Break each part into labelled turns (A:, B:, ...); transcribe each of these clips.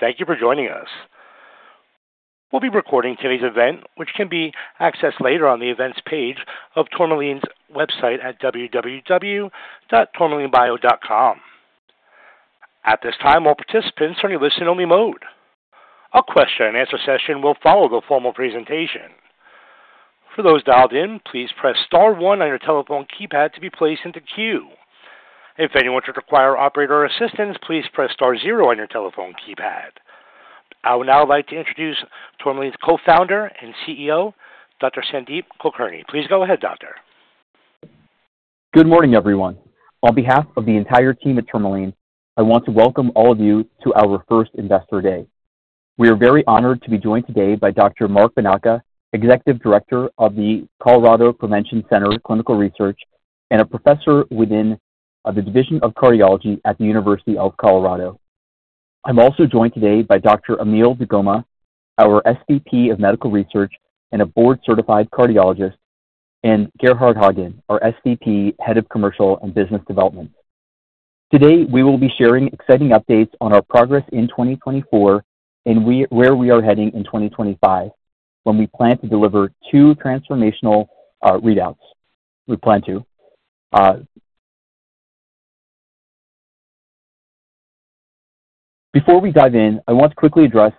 A: Thank you for joining us. We'll be recording today's event, which can be accessed later on the events page of Tourmaline's website at www.tourmalinebio.com. [Operator Instructions]. I would now like to introduce Tourmaline's co-founder and CEO, Dr. Sandeep Kulkarni. Please go ahead, Doctor.
B: Good morning, everyone. On behalf of the entire team at Tourmaline, I want to welcome all of you to our first Investor Day. We are very honored to be joined today by Dr. Marc Bonaca, Executive Director of the Colorado Prevention Center Clinical Research and a professor within the Division of Cardiology at the University of Colorado. I'm also joined today by Dr. Emil deGoma, our SVP of Medical Research and a board-certified cardiologist, and Gerhard Hagn, our SVP, Head of Commercial and Business Development. Today, we will be sharing exciting updates on our progress in 2024 and where we are heading in 2025 when we plan to deliver two transformational readouts. Before we dive in, I want to quickly address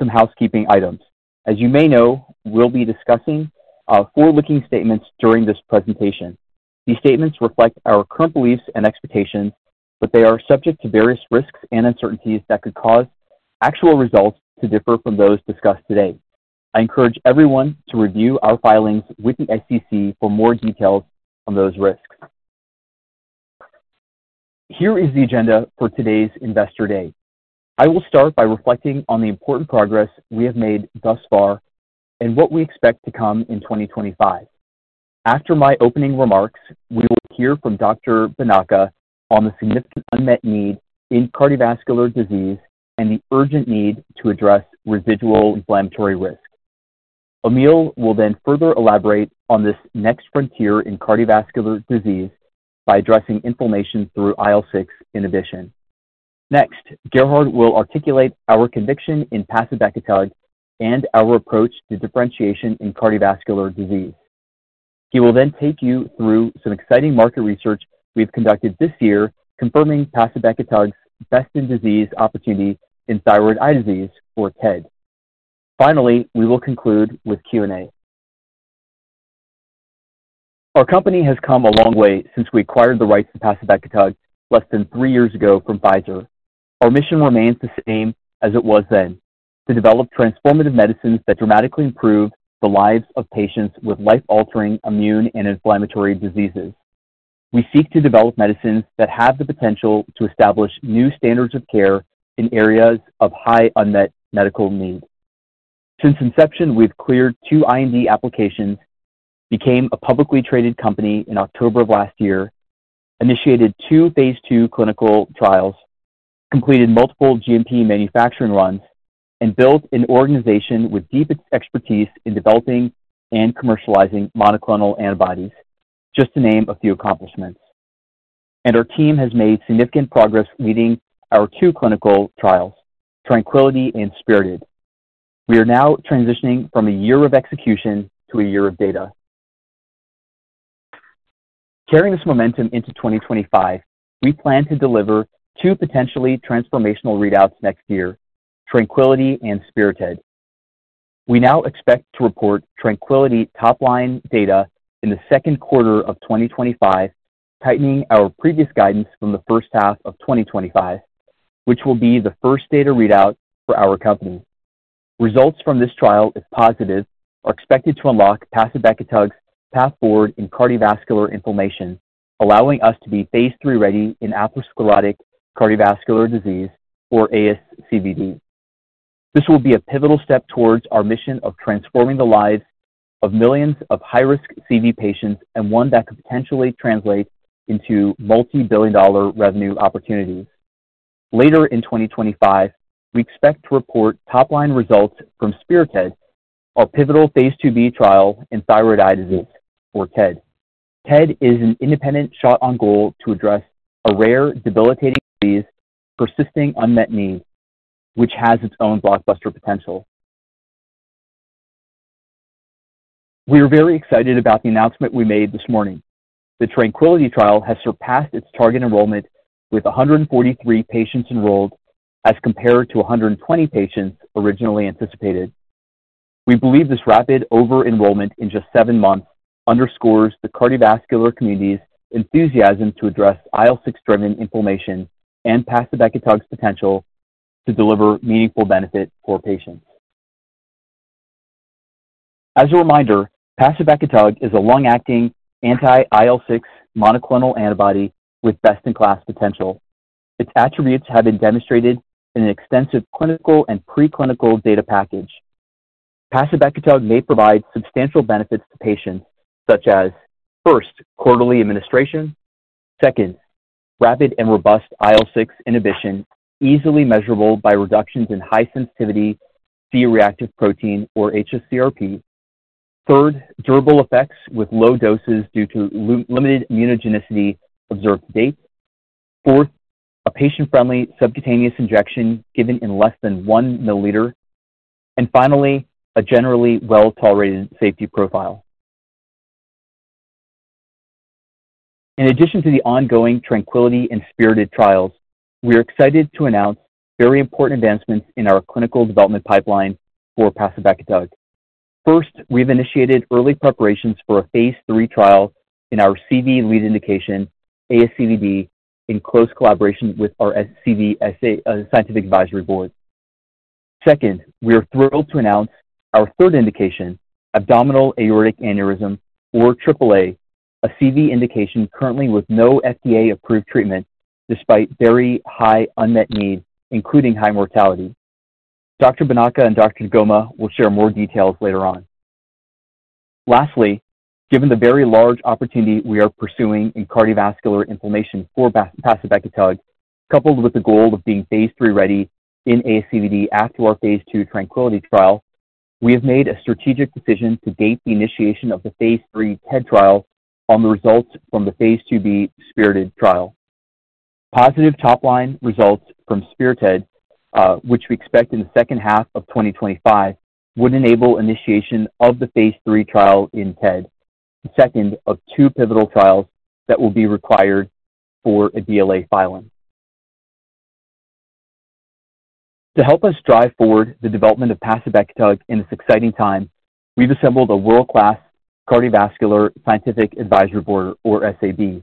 B: some housekeeping items. As you may know, we'll be discussing forward-looking statements during this presentation. These statements reflect our current beliefs and expectations, but they are subject to various risks and uncertainties that could cause actual results to differ from those discussed today. I encourage everyone to review our filings with the SEC for more details on those risks. Here is the agenda for today's Investor Day. I will start by reflecting on the important progress we have made thus far and what we expect to come in 2025. After my opening remarks, we will hear from Dr. Marc Bonaca on the significant unmet need in cardiovascular disease and the urgent need to address residual inflammatory risk. Emil will then further elaborate on this next frontier in cardiovascular disease by addressing inflammation through IL-6 inhibition. Next, Gerhard will articulate our conviction in pacibartug and our approach to differentiation in cardiovascular disease. He will then take you through some exciting market research we've conducted this year, confirming pacibartug's best-in-disease opportunity in thyroid eye disease, or TED. Finally, we will conclude with Q&A. Our company has come a long way since we acquired the rights to pacibartug less than three years ago from Pfizer. Our mission remains the same as it was then: to develop transformative medicines that dramatically improve the lives of patients with life-altering immune and inflammatory diseases. We seek to develop medicines that have the potential to establish new standards of care in areas of high unmet medical need. Since inception, we've cleared two IND applications, became a publicly traded company in October of last year, initiated two phase II clinical trials, completed multiple GMP manufacturing runs, and built an organization with deep expertise in developing and commercializing monoclonal antibodies, just to name a few accomplishments. Our team has made significant progress leading our two clinical trials, TRANQUILITY and SPIRITED. We are now transitioning from a year of execution to a year of data. Carrying this momentum into 2025, we plan to deliver two potentially transformational readouts next year, TRANQUILITY and SPIRITED. We now expect to report TRANQUILITY top-line data in the second quarter of 2025, tightening our previous guidance from the first half of 2025, which will be the first data readout for our company. Results from this trial, if positive, are expected to unlock pacibartug's path forward in cardiovascular inflammation, allowing us to be phase III ready in atherosclerotic cardiovascular disease, or ASCVD. This will be a pivotal step towards our mission of transforming the lives of millions of high-risk CV patients and one that could potentially translate into multi-billion-dollar revenue opportunities. Later in 2025, we expect to report top-line results from SPIRITED, our pivotal phase II-b trial in thyroid eye disease, or TED. TED is an independent shot on goal to address a rare, debilitating disease with persisting unmet need, which has its own blockbuster potential. We are very excited about the announcement we made this morning. The TRANQUILITY trial has surpassed its target enrollment with 143 patients enrolled as compared to 120 patients originally anticipated. We believe this rapid over-enrollment in just seven months underscores the cardiovascular community's enthusiasm to address IL-6-driven inflammation and pacibartug's potential to deliver meaningful benefit for patients. As a reminder, pacibartug is a long-acting anti-IL-6 monoclonal antibody with best-in-class potential. Its attributes have been demonstrated in an extensive clinical and pre-clinical data package. Pacibartug may provide substantial benefits to patients, such as first, quarterly administration. Second, rapid and robust IL-6 inhibition, easily measurable by reductions in high-sensitivity C-reactive protein, or hsCRP. Third, durable effects with low doses due to limited immunogenicity observed to date. Fourth, a patient-friendly subcutaneous injection given in less than 1mL. And finally, a generally well-tolerated safety profile. In addition to the ongoing TRANQUILITY and SPIRITED trials, we are excited to announce very important advancements in our clinical development pipeline for pacibartug. First, we have initiated early preparations for a phase III trial in our CV lead indication, ASCVD, in close collaboration with our CV Scientific Advisory Board. Second, we are thrilled to announce our third indication, abdominal aortic aneurysm, or AAA, a CV indication currently with no FDA-approved treatment despite very high unmet need, including high mortality. Dr. Bonaca and Dr. deGoma will share more details later on. Lastly, given the very large opportunity we are pursuing in cardiovascular inflammation for pacibartug, coupled with the goal of being phase III ready in ASCVD after our phase II TRANQUILITY trial, we have made a strategic decision to delay the initiation of the phase III TED trial on the results from the phase 2b SPIRITED trial. Positive top-line results from SPIRITED, which we expect in the second half of 2025, would enable initiation of the phase III trial in TED, the second of two pivotal trials that will be required for a BLA filing. To help us drive forward the development of pacibartug in this exciting time, we've assembled a world-class cardiovascular scientific advisory board, or SAB.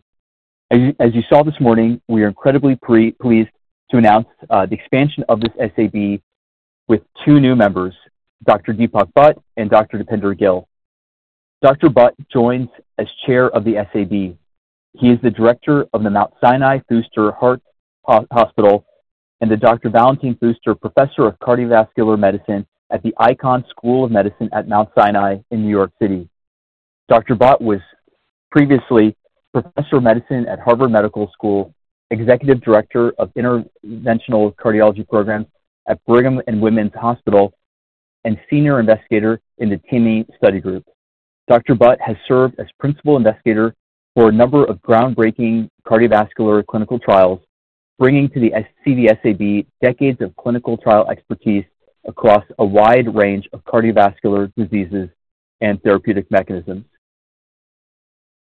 B: As you saw this morning, we are incredibly pleased to announce the expansion of this SAB with two new members, Dr. Deepak Bhatt and Dr. Dipender Gill. Dr. Bhatt joins as chair of the SAB. He is the director of the Mount Sinai Fuster Heart Hospital and the Dr. Valentin Fuster Professor of Cardiovascular Medicine at the Icahn School of Medicine at Mount Sinai in New York City. Dr. Bhatt was previously Professor of Medicine at Harvard Medical School, Executive Director of Interventional Cardiology Programs at Brigham and Women's Hospital, and Senior Investigator in the TIMI Study Group. Dr. Bhatt has served as Principal Investigator for a number of groundbreaking cardiovascular clinical trials, bringing to the CV SAB decades of clinical trial expertise across a wide range of cardiovascular diseases and therapeutic mechanisms.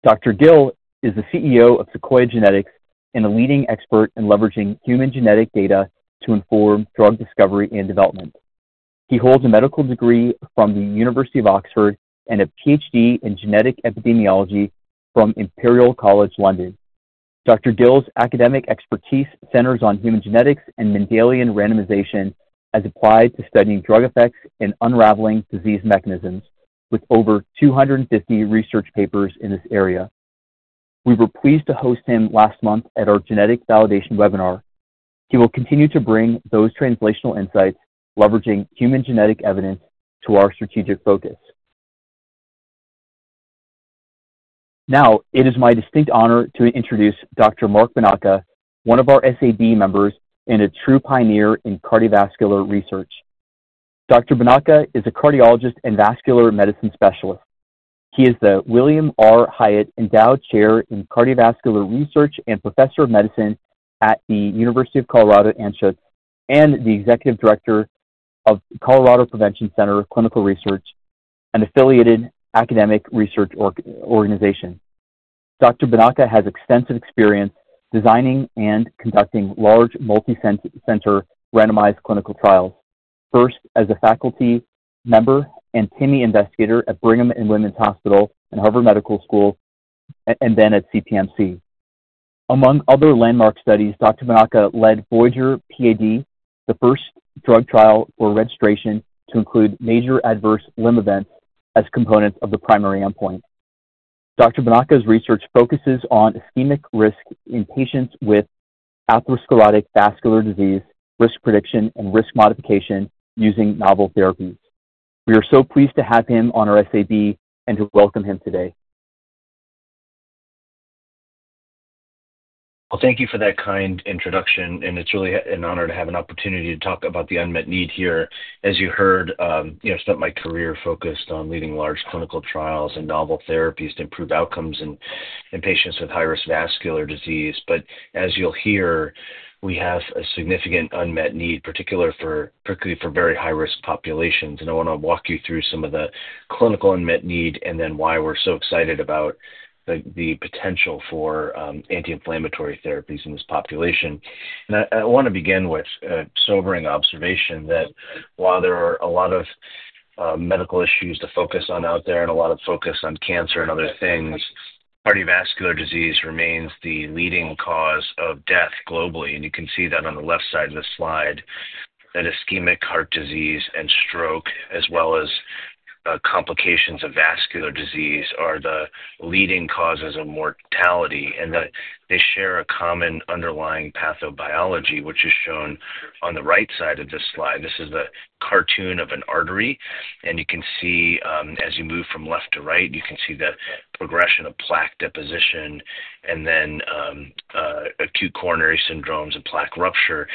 B: Dr. Gill is the CEO of Sequoia Genetics and a leading expert in leveraging human genetic data to inform drug discovery and development. He holds a medical degree from the University of Oxford and a PhD in genetic epidemiology from Imperial College London. Dr. Gill's academic expertise centers on human genetics and Mendelian randomization as applied to studying drug effects and unraveling disease mechanisms, with over 250 research papers in this area. We were pleased to host him last month at our genetic validation webinar. He will continue to bring those translational insights, leveraging human genetic evidence, to our strategic focus. Now, it is my distinct honor to introduce Dr. Marc Bonaca, one of our SAB members and a true pioneer in cardiovascular research. Dr. Bonaca is a cardiologist and vascular medicine specialist. He is the William R. Hiatt Endowed Chair in Cardiovascular Research and Professor of Medicine at the University of Colorado Anschutz and the Executive Director of Colorado Prevention Center Clinical Research, an affiliated academic research organization. Dr. Bonaca has extensive experience designing and conducting large multicenter randomized clinical trials, first as a faculty member and TIMI investigator at Brigham and Women's Hospital and Harvard Medical School, and then at CPC. Among other landmark studies, Dr. Bonaca led VOYAGER PAD, the first drug trial for registration to include major adverse limb events as components of the primary endpoint. Dr. Bonaca's research focuses on ischemic risk in patients with atherosclerotic vascular disease, risk prediction, and risk modification using novel therapies. We are so pleased to have him on our SAB and to welcome him today.
C: Thank you for that kind introduction. It's really an honor to have an opportunity to talk about the unmet need here. As you heard, you know, spent my career focused on leading large clinical trials and novel therapies to improve outcomes in patients with high-risk vascular disease. As you'll hear, we have a significant unmet need, particularly for very high-risk populations. I want to walk you through some of the clinical unmet need and then why we're so excited about the potential for anti-inflammatory therapies in this population. I want to begin with a sobering observation that while there are a lot of medical issues to focus on out there and a lot of focus on cancer and other things, cardiovascular disease remains the leading cause of death globally. You can see that on the left side of the slide that ischemic heart disease and stroke, as well as complications of vascular disease, are the leading causes of mortality. They share a common underlying pathobiology, which is shown on the right side of this slide. This is the cartoon of an artery. You can see, as you move from left to right, you can see the progression of plaque deposition and then acute coronary syndromes and plaque rupture.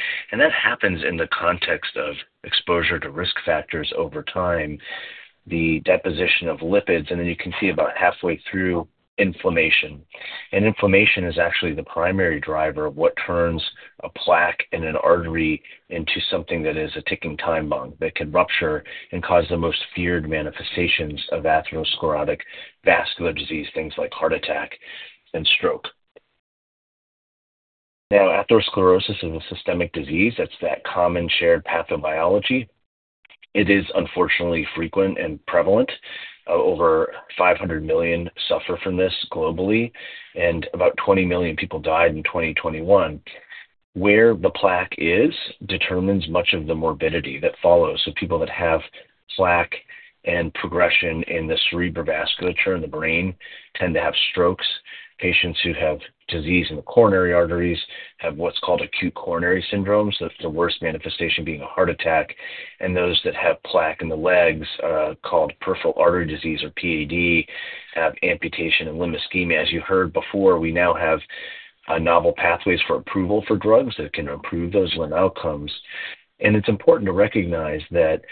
C: That happens in the context of exposure to risk factors over time, the deposition of lipids. You can see about halfway through inflammation. Inflammation is actually the primary driver of what turns a plaque in an artery into something that is a ticking time bomb that can rupture and cause the most feared manifestations of atherosclerotic vascular disease, things like heart attack and stroke. Now, atherosclerosis is a systemic disease. That's that common shared pathobiology. It is unfortunately frequent and prevalent. Over 500 million suffer from this globally, and about 20 million people died in 2021. Where the plaque is determines much of the morbidity that follows. People that have plaque and progression in the cerebral vasculature in the brain tend to have strokes. Patients who have disease in the coronary arteries have what's called acute coronary syndromes, with the worst manifestation being a heart attack. And those that have plaque in the legs, called peripheral artery disease or PAD, have amputation and limb ischemia. As you heard before, we now have novel pathways for approval for drugs that can improve those limb outcomes. And it's important to recognize that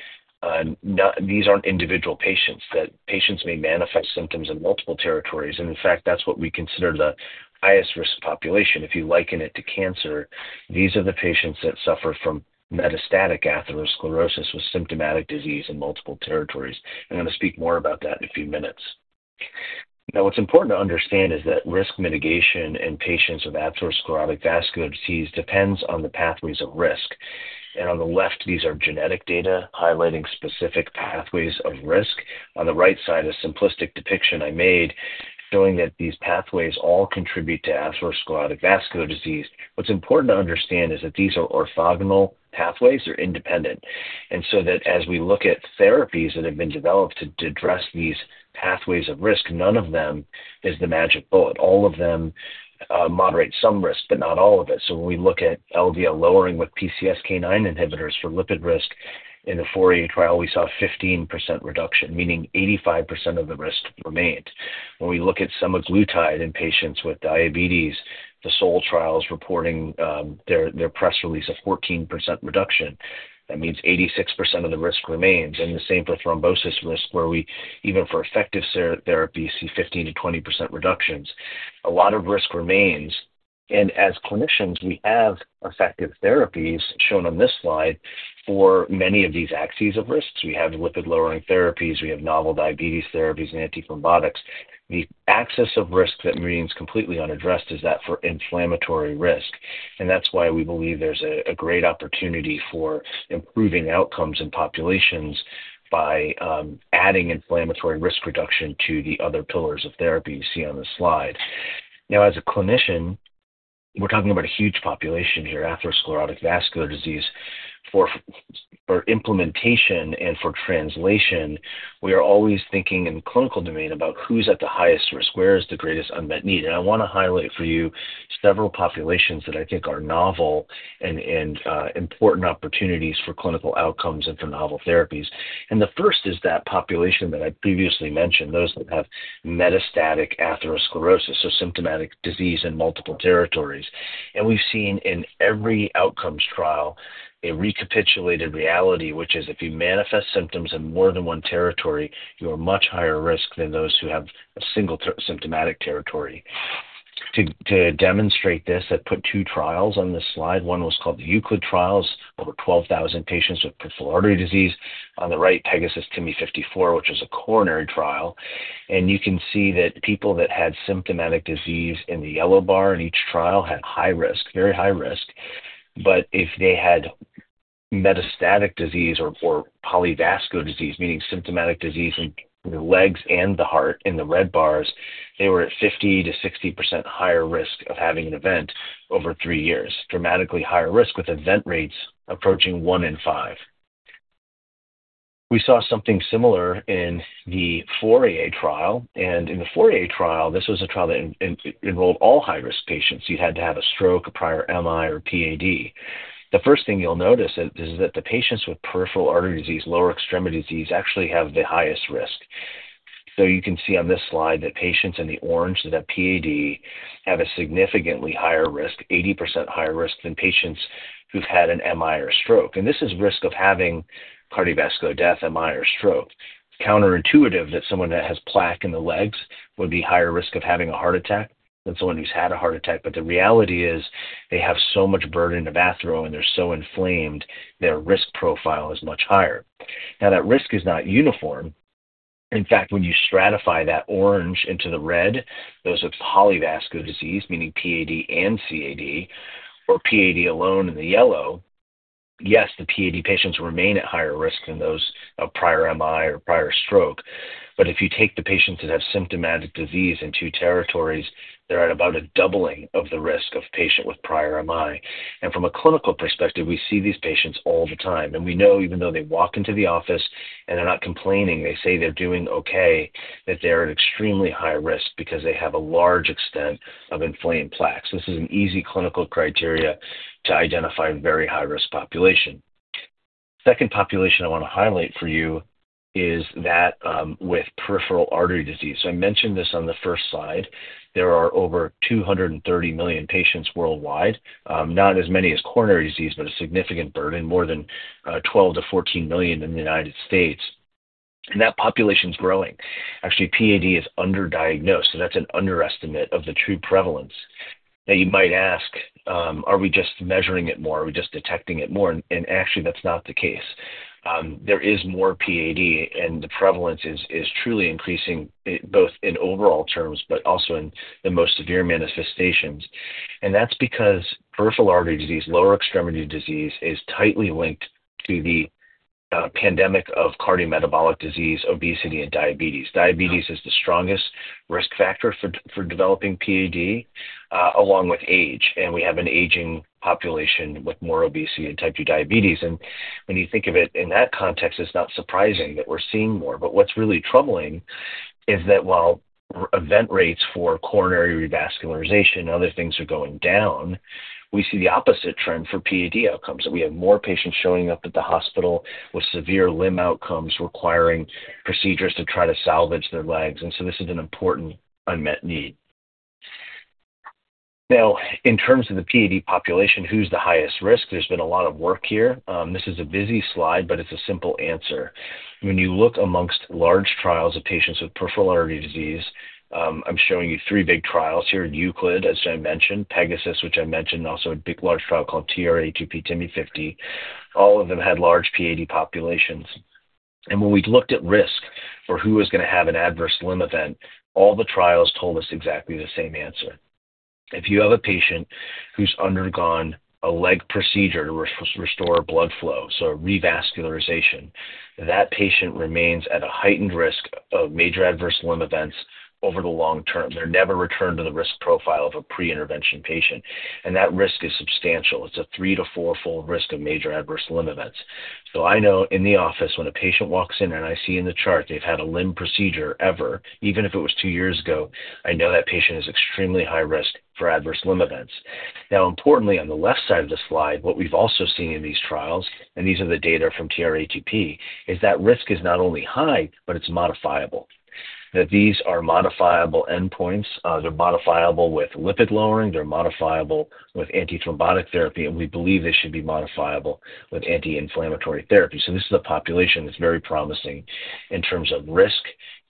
C: these aren't individual patients, that patients may manifest symptoms in multiple territories. In fact, that's what we consider the highest risk population, if you liken it to cancer. These are the patients that suffer from metastatic atherosclerosis with symptomatic disease in multiple territories. I'm going to speak more about that in a few minutes. Now, what's important to understand is that risk mitigation in patients with atherosclerotic vascular disease depends on the pathways of risk. On the left, these are genetic data highlighting specific pathways of risk. On the right side is a simplistic depiction I made showing that these pathways all contribute to atherosclerotic vascular disease. What's important to understand is that these are orthogonal pathways. They're independent. As we look at therapies that have been developed to address these pathways of risk, none of them is the magic bullet. All of them moderate some risk, but not all of it. When we look at LDL lowering with PCSK9 inhibitors for lipid risk, in the four-year trial, we saw a 15% reduction, meaning 85% of the risk remained. When we look at semaglutide in patients with diabetes, the SOUL trials reporting their press release of 14% reduction, that means 86% of the risk remains. The same for thrombosis risk, where we even for effective therapies see 15% to 20% reductions. A lot of risk remains. As clinicians, we have effective therapies shown on this slide for many of these axes of risk. We have lipid-lowering therapies, we have novel diabetes therapies, and anti-thrombotics. The axis of risk that remains completely unaddressed is that for inflammatory risk. That's why we believe there's a great opportunity for improving outcomes in populations by adding inflammatory risk reduction to the other pillars of therapy you see on the slide. Now, as a clinician, we're talking about a huge population here, atherosclerotic vascular disease. For implementation and for translation, we are always thinking in the clinical domain about who's at the highest risk, where is the greatest unmet need. And I want to highlight for you several populations that are novel and important opportunities for clinical outcomes and for novel therapies. And the first is that population that I previously mentioned, those that have metastatic atherosclerosis, so symptomatic disease in multiple territories. And we've seen in every outcomes trial a recapitulated reality, which is if you manifest symptoms in more than one territory, you are much higher risk than those who have a single symptomatic territory. To demonstrate this, I put two trials on this slide. One was called the EUCLID trial over 12,000 patients with peripheral artery disease. On the right, PEGASUS-TIMI 54, which is a coronary trial. And you can see that people that had symptomatic disease in the yellow bar in each trial had high risk, very high risk. If they had metastatic disease or polyvascular disease, meaning symptomatic disease in the legs and the heart in the red bars, they were at 50%-60% higher risk of having an event over three years, dramatically higher risk with event rates approaching one in five. We saw something similar in the four-year trial. And in the four-year trial, this was a trial that enrolled all high-risk patients. You had to have a stroke, a prior MI, or PAD. The first thing you'll notice is that the patients with peripheral artery disease, lower extremity disease, actually have the highest risk. You can see on this slide that patients in the orange that have PAD have a significantly higher risk, 80% higher risk than patients who've had an MI or stroke. And this is risk of having cardiovascular death, MI, or stroke. Counterintuitive that someone that has plaque in the legs would be higher risk of having a heart attack than someone who's had a heart attack. The reality is they have so much atherothrombotic burden, and they're so inflamed, their risk profile is much higher. Now, that risk is not uniform. In fact, when you stratify that orange into the red, those with polyvascular disease, meaning PAD and CAD, or PAD alone in the yellow, yes, the PAD patients remain at higher risk than those of prior MI or prior stroke. If you take the patients that have symptomatic disease in two territories, they're at about a doubling of the risk of a patient with prior MI. And from a clinical perspective, we see these patients all the time. And we know even though they walk into the office and they're not complaining, they say they're doing okay, that they're at extremely high risk because they have a large extent of inflamed plaques. This is an easy clinical criteria to identify in a very high-risk population. The second population I want to highlight for you is that with peripheral artery disease. I mentioned this on the first slide. There are over 230 million patients worldwide, not as many as coronary disease, but a significant burden, more than 12 to 14 million in the United States. And that population is growing. Actually, PAD is underdiagnosed. That's an underestimate of the true prevalence. Now, you might ask, are we just measuring it more? Are we just detecting it more? And actually, that's not the case. There is more PAD, and the prevalence is truly increasing both in overall terms, but also in the most severe manifestations. And that's because peripheral artery disease, lower extremity disease, is tightly linked to the pandemic of cardiometabolic disease, obesity, and diabetes. Diabetes is the strongest risk factor for developing PAD, along with age. And we have an aging population with more obesity and type 2 diabetes. When you think of it in that context, it's not surprising that we're seeing more. What's really troubling is that while event rates for coronary revascularization and other things are going down, we see the opposite trend for PAD outcomes, that we have more patients showing up at the hospital with severe limb outcomes requiring procedures to try to salvage their legs. This is an important unmet need. Now, in terms of the PAD population, who's the highest risk? There's been a lot of work here. This is a busy slide, but it's a simple answer. When you look amongst large trials of patients with peripheral artery disease, I'm showing you three big trials here in EUCLID, as I mentioned, PEGASUS, which I mentioned, and also a large trial called TRA 2P-TIMI 50. All of them had large PAD populations. When we looked at risk for who was going to have an adverse limb event, all the trials told us exactly the same answer. If you have a patient who's undergone a leg procedure to restore blood flow, so revascularization, that patient remains at a heightened risk of major adverse limb events over the long term. They're never returned to the risk profile of a pre-intervention patient. That risk is substantial. It's a three- to four-fold risk of major adverse limb events. I know in the office, when a patient walks in and I see in the chart they've had a limb procedure ever, even if it was two years ago, I know that patient is extremely high risk for adverse limb events. Now, importantly, on the left side of the slide, what we've also seen in these trials, and these are the data from TRA 2P, is that risk is not only high, but it's modifiable. These are modifiable endpoints. They're modifiable with lipid lowering. They're modifiable with anti-thrombotic therapy. And we believe they should be modifiable with anti-inflammatory therapy. This is a population that's very promising in terms of risk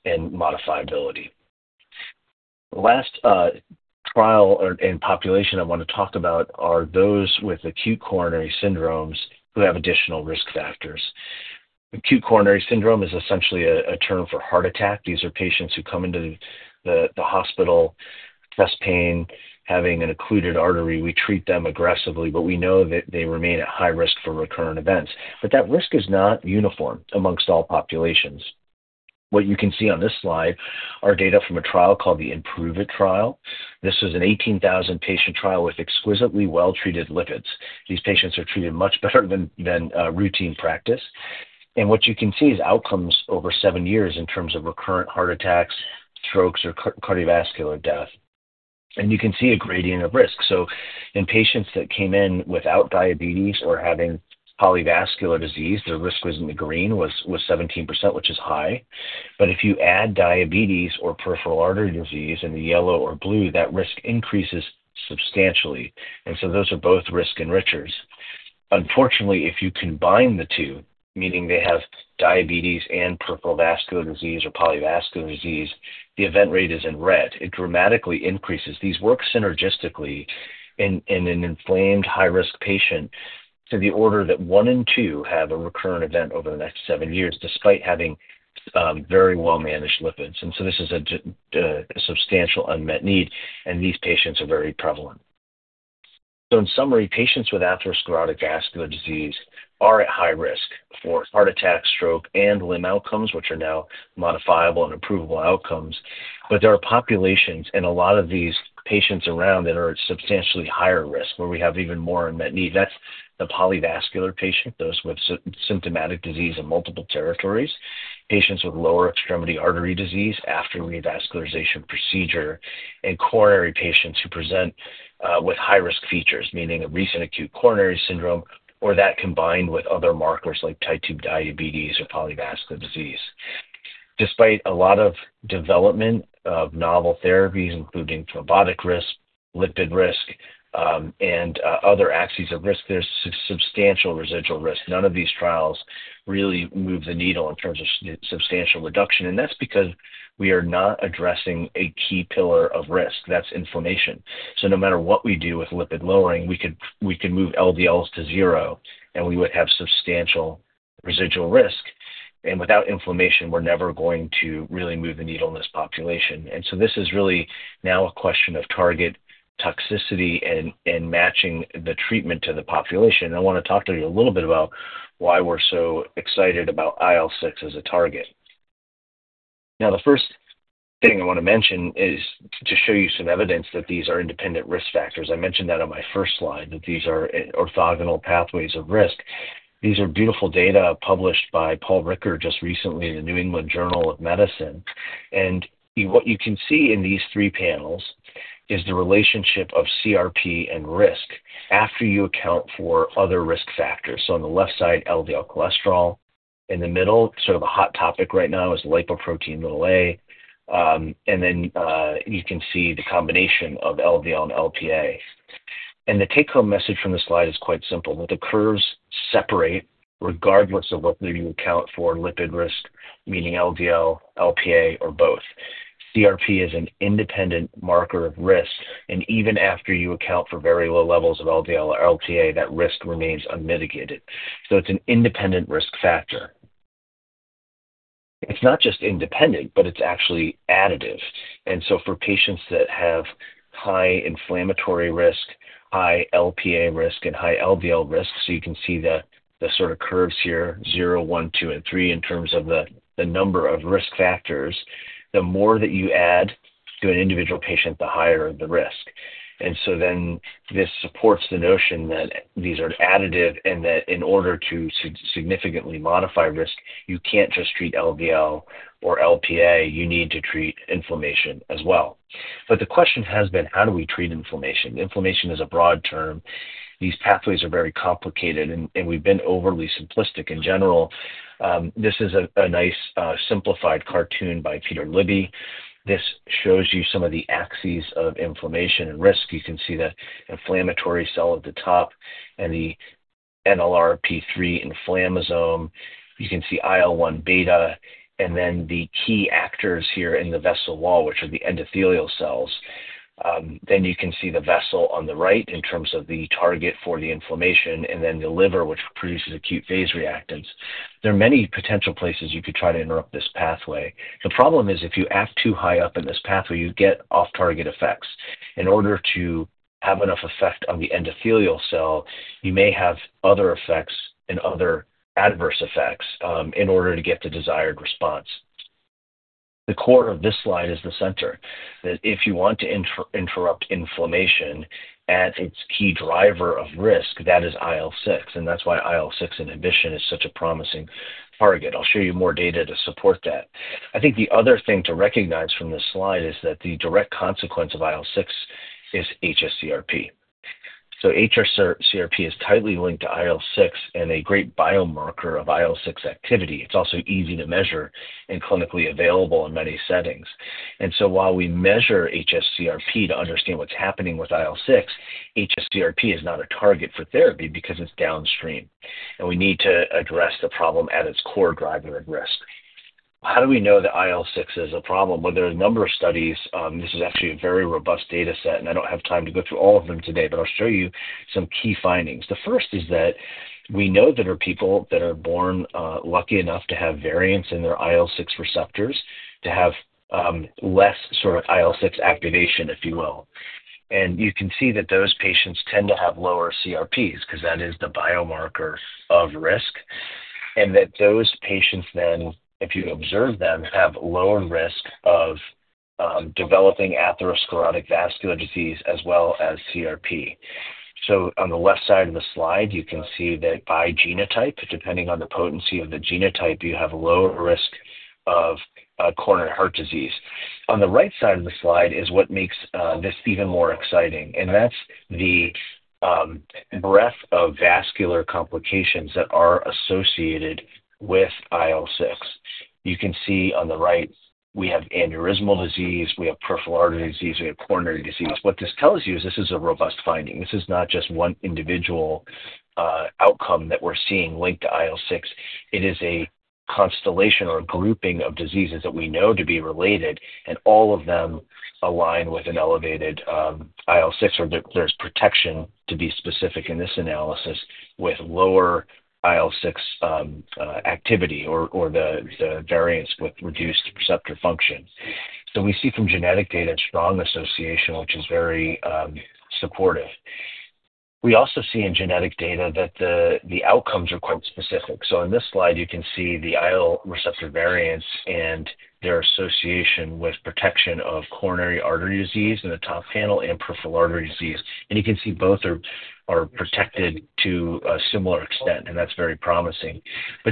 C: and modifiability. The last trial and population I want to talk about are those with acute coronary syndromes who have additional risk factors. Acute coronary syndrome is essentially a term for heart attack. These are patients who come into the hospital, chest pain, having an occluded artery. We treat them aggressively, but we know that they remain at high risk for recurrent events. That risk is not uniform amongst all populations. What you can see on this slide are data from a trial called the IMPROVE-IT trial. This was an 18,000-patient trial with exquisitely well-treated lipids. These patients are treated much better than routine practice. What you can see is outcomes over seven years in terms of recurrent heart attacks, strokes, or cardiovascular death. You can see a gradient of risk. In patients that came in without diabetes or having polyvascular disease, their risk was in the green, was 17%, which is high. If you add diabetes or peripheral artery disease in the yellow or blue, that risk increases substantially. Those are both risk enrichers. Unfortunately, if you combine the two, meaning they have diabetes and peripheral vascular disease or polyvascular disease, the event rate is in red. It dramatically increases. These work synergistically in an inflamed high-risk patient to the order that one in two have a recurrent event over the next seven years despite having very well-managed lipids. This is a substantial unmet need. And these patients are very prevalent. In summary, patients with atherosclerotic vascular disease are at high risk for heart attack, stroke, and limb outcomes, which are now modifiable and improvable outcomes. There are populations in a lot of these patients around that are at substantially higher risk, where we have even more unmet need. That's the polyvascular patient, those with symptomatic disease in multiple territories, patients with lower extremity artery disease after revascularization procedure, and coronary patients who present with high-risk features, meaning a recent acute coronary syndrome or that combined with other markers like type 2 diabetes or polyvascular disease. Despite a lot of development of novel therapies, including thrombotic risk, lipid risk, and other axes of risk, there's substantial residual risk. None of these trials really move the needle in terms of substantial reduction, and that's because we are not addressing a key pillar of risk. That's inflammation, so no matter what we do with lipid lowering, we could move LDLs to zero, and we would have substantial residual risk, and without inflammation, we're never going to really move the needle in this population, This is really now a question of target toxicity and matching the treatment to the population, and I want to talk to you a little bit about why we're so excited about IL-6 as a target. Now, the first thing I want to mention is to show you some evidence that these are independent risk factors. I mentioned that on my first slide, that these are orthogonal pathways of risk. These are beautiful data published by Paul Ridker just recently in the New England Journal of Medicine. And what you can see in these three panels is the relationship of CRP and risk after you account for other risk factors. On the left side, LDL cholesterol. In the middle, sort of a hot topic right now, is lipoprotein(a). And then you can see the combination of LDL and Lp(a). And the take-home message from the slide is quite simple. The curves separate regardless of whether you account for lipid risk, meaning LDL, Lp(a), or both. CRP is an independent marker of risk. And even after you account for very low levels of LDL or Lp(a), that risk remains unmitigated. It's an independent risk factor. It's not just independent, but it's actually additive. Patients that have high inflammatory risk, high Lp(a) risk, and high LDL risk, so you can see the sort of curves here, zero, one, two, and three in terms of the number of risk factors, the more that you add to an individual patient, the higher the risk. This supports the notion that these are additive and that in order to significantly modify risk, you can't just treat LDL or Lp(a). You need to treat inflammation as well. The question has been, how do we treat inflammation? Inflammation is a broad term. These pathways are very complicated, and we've been overly simplistic in general. This is a nice simplified cartoon by Peter Libby. This shows you some of the axes of inflammation and risk. You can see the inflammatory cell at the top and the NLRP3 inflammasome. You can see IL-1 beta, and then the key actors here in the vessel wall, which are the endothelial cells. Then you can see the vessel on the right in terms of the target for the inflammation, and then the liver, which produces acute phase reactants. There are many potential places you could try to interrupt this pathway. The problem is if you act too high up in this pathway, you get off-target effects. In order to have enough effect on the endothelial cell, you may have other effects and other adverse effects in order to get the desired response. The core of this slide is the center. If you want to interrupt inflammation at its key driver of risk, that is IL-6, and that's why IL-6 inhibition is such a promising target. I'll show you more data to support that. The other thing to recognize from this slide is that the direct consequence of IL-6 is hsCRP. HsCRP is tightly linked to IL-6 and a great biomarker of IL-6 activity. It's also easy to measure and clinically available in many settings. While we measure hsCRP to understand what's happening with IL-6, hsCRP is not a target for therapy because it's downstream. And we need to address the problem at its core driver of risk. How do we know that IL-6 is a problem? Well, there are a number of studies. This is actually a very robust data set, and I don't have time to go through all of them today, but I'll show you some key findings. The first is that we know that there are people that are born lucky enough to have variants in their IL-6 receptors to have less sort of IL-6 activation, if you will, and you can see that those patients tend to have lower CRPs because that is the biomarker of risk, and that those patients then, if you observe them, have lower risk of developing atherosclerotic vascular disease as well as CRP, so on the left side of the slide, you can see that by genotype, depending on the potency of the genotype, you have a lower risk of coronary heart disease. On the right side of the slide is what makes this even more exciting, and that's the breadth of vascular complications that are associated with IL-6. You can see on the right, we have aneurysmal disease. We have peripheral artery disease. We have coronary disease. What this tells you is this is a robust finding. This is not just one individual outcome that we're seeing linked to IL-6. It is a constellation or a grouping of diseases that we know to be related, and all of them align with an elevated IL-6, or there's protection, to be specific in this analysis, with lower IL-6 activity or the variant with reduced receptor function. We see from genetic data a strong association, which is very supportive. We also see in genetic data that the outcomes are quite specific. On this slide, you can see the IL-6 receptor variant and their association with protection of coronary artery disease in the top panel and peripheral artery disease. And you can see both are protected to a similar extent, and that's very promising.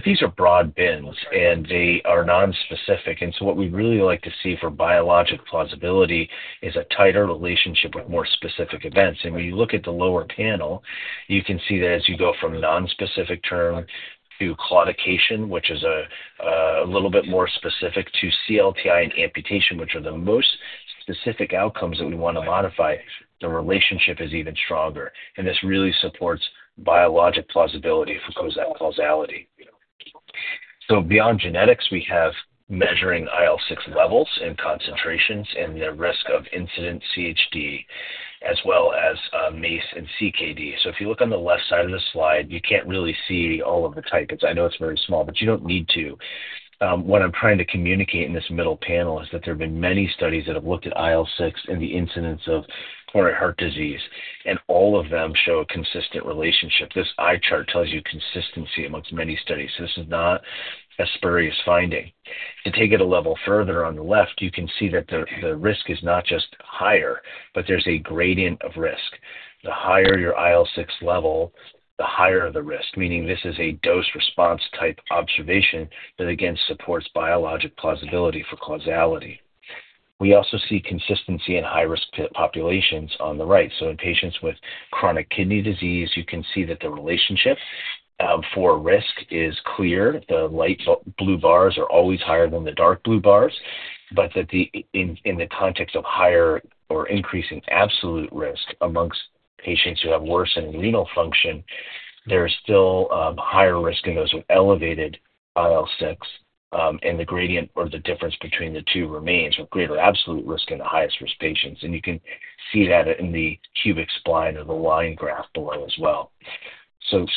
C: These are broad bins, and they are nonspecific. What we really like to see for biologic plausibility is a tighter relationship with more specific events. And when you look at the lower panel, you can see that as you go from nonspecific term to claudication, which is a little bit more specific, to CLTI and amputation, which are the most specific outcomes that we want to modify, the relationship is even stronger. And this really supports biologic plausibility for causality. Beyond genetics, we have measuring IL-6 levels and concentrations and the risk of incident CHD, as well as MACE and CKD. If you look on the left side of the slide, you can't really see all of the types. I know it's very small, but you don't need to. What I'm trying to communicate in this middle panel is that there have been many studies that have looked at IL-6 and the incidence of coronary heart disease, and all of them show a consistent relationship. This eye chart tells you consistency among many studies. This is not a spurious finding. To take it a level further, on the left, you can see that the risk is not just higher, but there's a gradient of risk. The higher your IL-6 level, the higher the risk, meaning this is a dose-response type observation that, again, supports biologic plausibility for causality. We also see consistency in high-risk populations on the right. In patients with chronic kidney disease, you can see that the relationship for risk is clear. The light blue bars are always higher than the dark blue bars, but in the context of higher or increasing absolute risk amongst patients who have worsened renal function, there is still higher risk in those with elevated IL-6, and the gradient or the difference between the two remains with greater absolute risk in the highest-risk patients. You can see that in the cubic spline of the line graph below as well.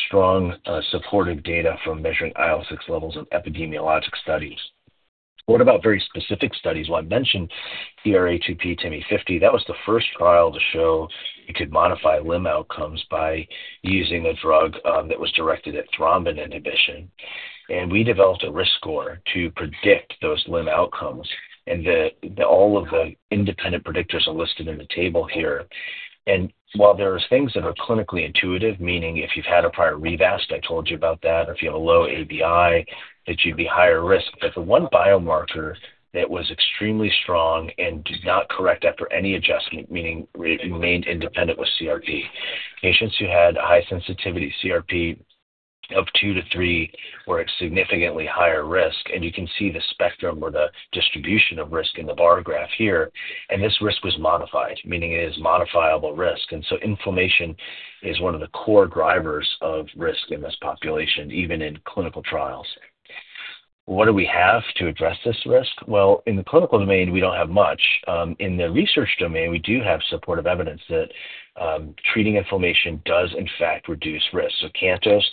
C: Strong supportive data for measuring IL-6 levels in epidemiologic studies. What about very specific studies? I mentioned TRA 2P-TIMI 50. That was the first trial to show you could modify limb outcomes by using a drug that was directed at thrombin inhibition. And we developed a risk score to predict those limb outcomes, and all of the independent predictors are listed in the table here. While there are things that are clinically intuitive, meaning if you've had a prior revasc, I told you about that, or if you have a low ABI, that you'd be higher risk, but the one biomarker that was extremely strong and did not correct after any adjustment, meaning it remained independent with CRP, patients who had a high-sensitivity CRP of two to three were at significantly higher risk. And you can see the spectrum or the distribution of risk in the bar graph here. And this risk was modified, meaning it is modifiable risk. Inflammation is one of the core drivers of risk in this population, even in clinical trials. What do we have to address this risk? Well, in the clinical domain, we don't have much. In the research domain, we do have supportive evidence that treating inflammation does, in fact, reduce risk. CANTOS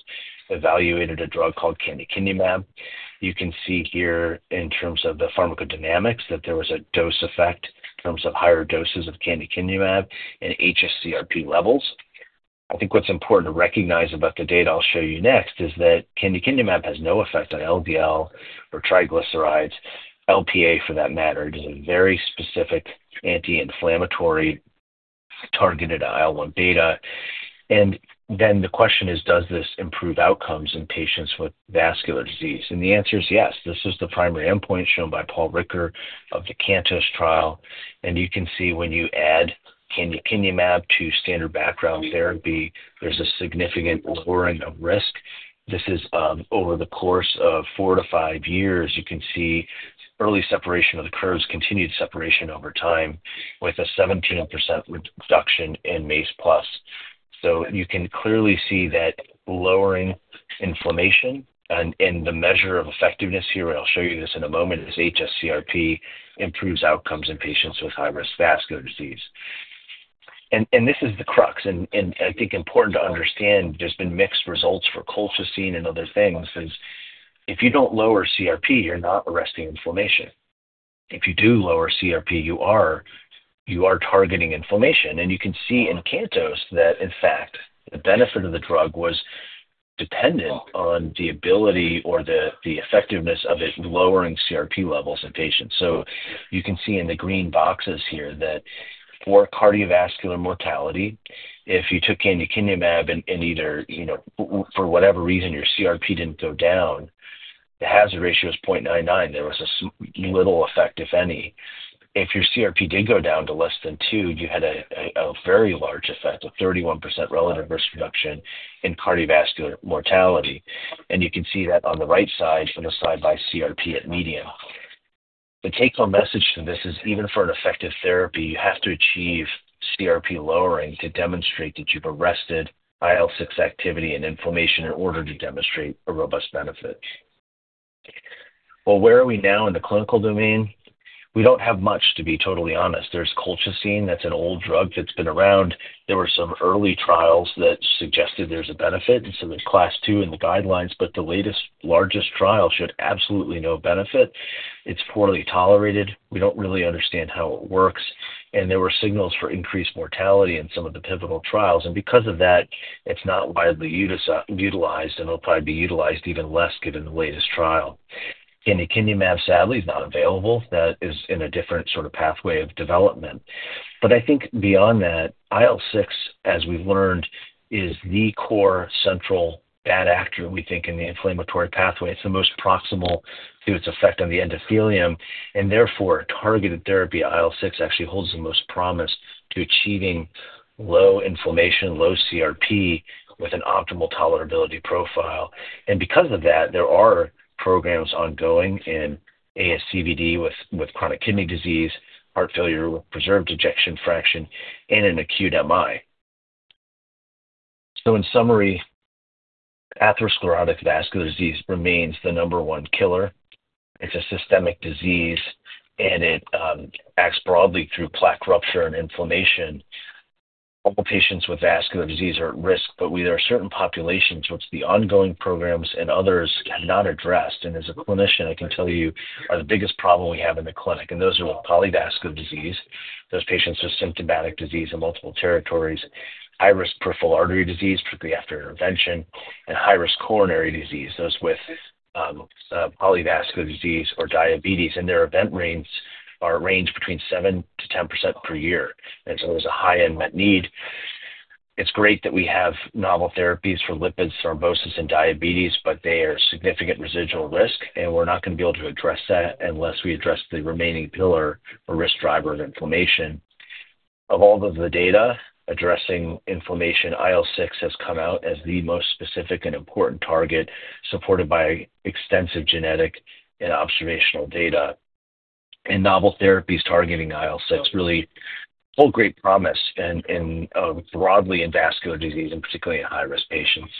C: evaluated a drug called canakinumab. You can see here in terms of the pharmacodynamics that there was a dose effect in terms of higher doses of canakinumab and hsCRP levels. What's important to recognize about the data I'll show you next is that canakinumab has no effect on LDL or triglycerides, Lp(a) for that matter. It is a very specific anti-inflammatory targeted IL-1 beta. And then the question is, does this improve outcomes in patients with vascular disease? And the answer is yes. This is the primary endpoint shown by Paul Ridker of the CANTOS trial. And you can see when you add canakinumab to standard background therapy, there's a significant lowering of risk. This is over the course of four to five years. You can see early separation of the curves, continued separation over time with a 17% reduction in MACE plus. You can clearly see that lowering inflammation and the measure of effectiveness here, and I'll show you this in a moment, is hsCRP improves outcomes in patients with high-risk vascular disease. And this is the crux. Important to understand, there's been mixed results for colchicine and other things, is if you don't lower CRP, you're not arresting inflammation. If you do lower CRP, you are targeting inflammation. And you can see in CANTOS that, in fact, the benefit of the drug was dependent on the ability or the effectiveness of it lowering CRP levels in patients. You can see in the green boxes here that for cardiovascular mortality, if you took canakinumab and either, for whatever reason, your CRP didn't go down, the hazard ratio is 0.99. There was a little effect, if any. If your CRP did go down to less than two, you had a very large effect, a 31% relative risk reduction in cardiovascular mortality. And you can see that on the right side from the stratified by CRP at median. The take-home message to this is even for an effective therapy, you have to achieve CRP lowering to demonstrate that you've arrested IL-6 activity and inflammation in order to demonstrate a robust benefit. Well, where are we now in the clinical domain? We don't have much, to be totally honest. There's colchicine. That's an old drug that's been around. There were some early trials that suggested there's a benefit, there's class two in the guidelines, but the latest largest trial showed absolutely no benefit. It's poorly tolerated. We don't really understand how it works. And there were signals for increased mortality in some of the pivotal trials. Because of that, it's not widely utilized, and it'll probably be utilized even less given the latest trial. Canakinumab, sadly, is not available. That is in a different sort of pathway of development. Beyond that, IL-6, as we've learned, is the core central bad actor, we think, in the inflammatory pathway. It's the most proximal to its effect on the endothelium. Therefore, targeted therapy IL-6 actually holds the most promise to achieving low inflammation, low CRP with an optimal tolerability profile. Because of that, there are programs ongoing in ASCVD with chronic kidney disease, heart failure with preserved ejection fraction, and in acute MI. In summary, atherosclerotic vascular disease remains the number one killer. It's a systemic disease, and it acts broadly through plaque rupture and inflammation. All patients with vascular disease are at risk, but there are certain populations which the ongoing programs and others have not addressed. As a clinician, I can tell you they are the biggest problem we have in the clinic. Those are with polyvascular disease, those patients with symptomatic disease in multiple territories, high-risk peripheral artery disease, particularly after intervention, and high-risk coronary disease, those with polyvascular disease or diabetes. Their event rates range between 7%-10% per year. There's a high unmet need. It's great that we have novel therapies for lipids, thrombosis, and diabetes, but there is significant residual risk, and we're not going to be able to address that unless we address the remaining pillar or risk driver of inflammation. Of all of the data addressing inflammation, IL-6 has come out as the most specific and important target, supported by extensive genetic and observational data. And novel therapies targeting IL-6 really hold great promise broadly in vascular disease, and particularly in high-risk patients.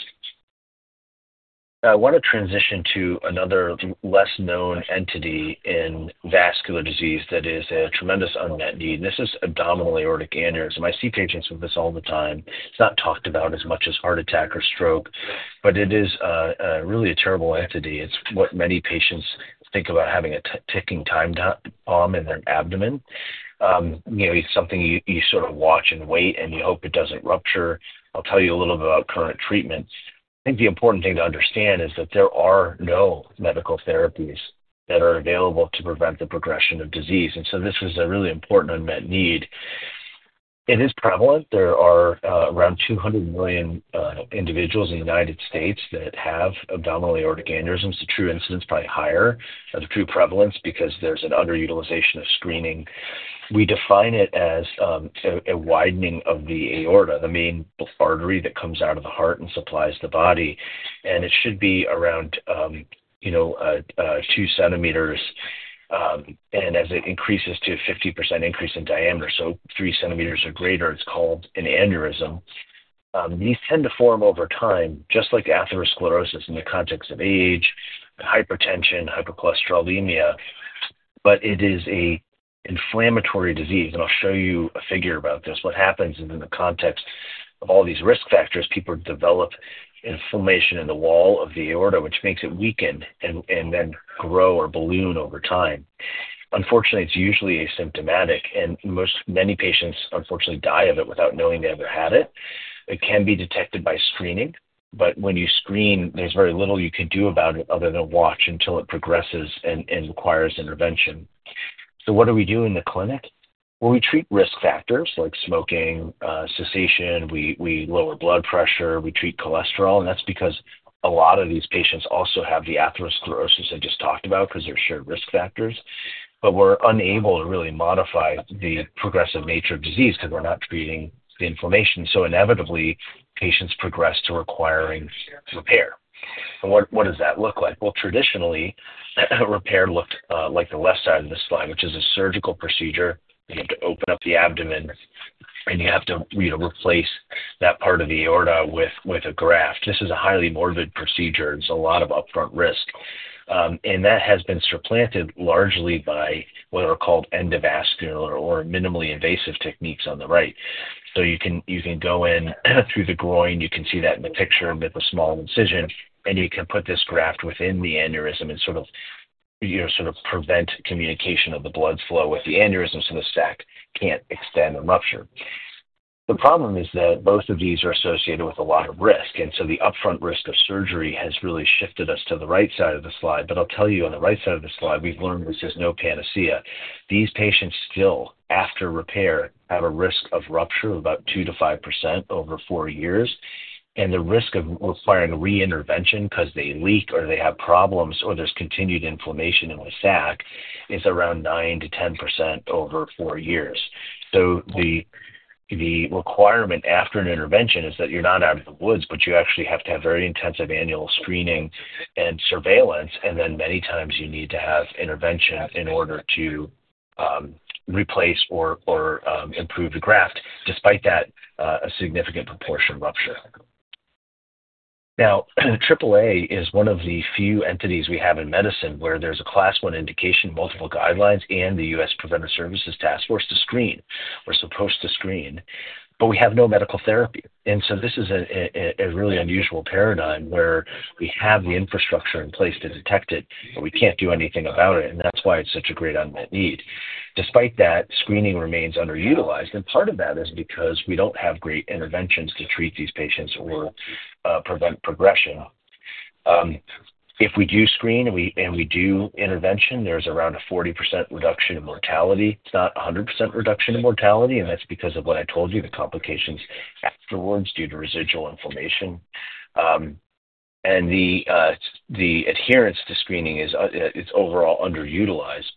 C: I want to transition to another less known entity in vascular disease that is a tremendous unmet need. This is abdominal aortic aneurysm. I see patients with this all the time. It's not talked about as much as heart attack or stroke, but it is really a terrible entity. It's what many patients think about having a ticking time bomb in their abdomen. It's something you sort of watch and wait, and you hope it doesn't rupture. I'll tell you a little bit about current treatments. The important thing to understand is that there are no medical therapies that are available to prevent the progression of disease. This is a really important unmet need. It is prevalent. There are around 200 million individuals in the United States that have abdominal aortic aneurysms. The true incidence is probably higher of true prevalence because there's an underutilization of screening. We define it as a widening of the aorta, the main artery that comes out of the heart and supplies the body. And it should be around 2 centimeters. And as it increases to a 50% increase in diameter, so 3 centimeters or greater, it's called an aneurysm. These tend to form over time, just like atherosclerosis in the context of age, hypertension, hypercholesterolemia, but it is an inflammatory disease. I'll show you a figure about this. What happens is in the context of all these risk factors, people develop inflammation in the wall of the aorta, which makes it weaken and then grow or balloon over time. Unfortunately, it's usually asymptomatic, and many patients, unfortunately, die of it without knowing they ever had it. It can be detected by screening, but when you screen, there's very little you can do about it other than watch until it progresses and requires intervention. What do we do in the clinic? Well, we treat risk factors like smoking, cessation. We lower blood pressure. We treat cholesterol. And that's because a lot of these patients also have the atherosclerosis I just talked about because they're shared risk factors. We're unable to really modify the progressive nature of disease because we're not treating the inflammation. Inevitably, patients progress to requiring repair. And what does that look like? Traditionally, repair looked like the left side of the spine, which is a surgical procedure. You have to open up the abdomen, and you have to replace that part of the aorta with a graft. This is a highly morbid procedure. There's a lot of upfront risk. That has been supplanted largely by what are called endovascular or minimally invasive techniques on the right. You can go in through the groin. You can see that in the picture with a small incision, and you can put this graft within the aneurysm and sort of prevent communication of the blood flow with the aneurysm so the sac can't extend and rupture. The problem is that both of these are associated with a lot of risk. The upfront risk of surgery has really shifted us to the right side of the slide. I'll tell you, on the right side of the slide, we've learned this is no panacea. These patients still, after repair, have a risk of rupture of about 2-5% over four years. And the risk of requiring re-intervention because they leak or they have problems or there's continued inflammation in the sac is around 9-10% over four years. The requirement after an intervention is that you're not out of the woods, but you actually have to have very intensive annual screening and surveillance. And then many times, you need to have intervention in order to replace or improve the graft. Despite that, a significant proportion rupture. Now, AAA is one of the few entities we have in medicine where there's a class one indication, multiple guidelines, and the U.S. Preventive Services Task Force to screen. We're supposed to screen, but we have no medical therapy. This is a really unusual paradigm where we have the infrastructure in place to detect it, but we can't do anything about it. And that's why it's such a great unmet need. Despite that, screening remains underutilized. And part of that is because we don't have great interventions to treat these patients or prevent progression. If we do screen and we do intervention, there's around a 40% reduction in mortality. It's not 100% reduction in mortality, and that's because of what I told you, the complications afterwards due to residual inflammation. And the adherence to screening is overall underutilized.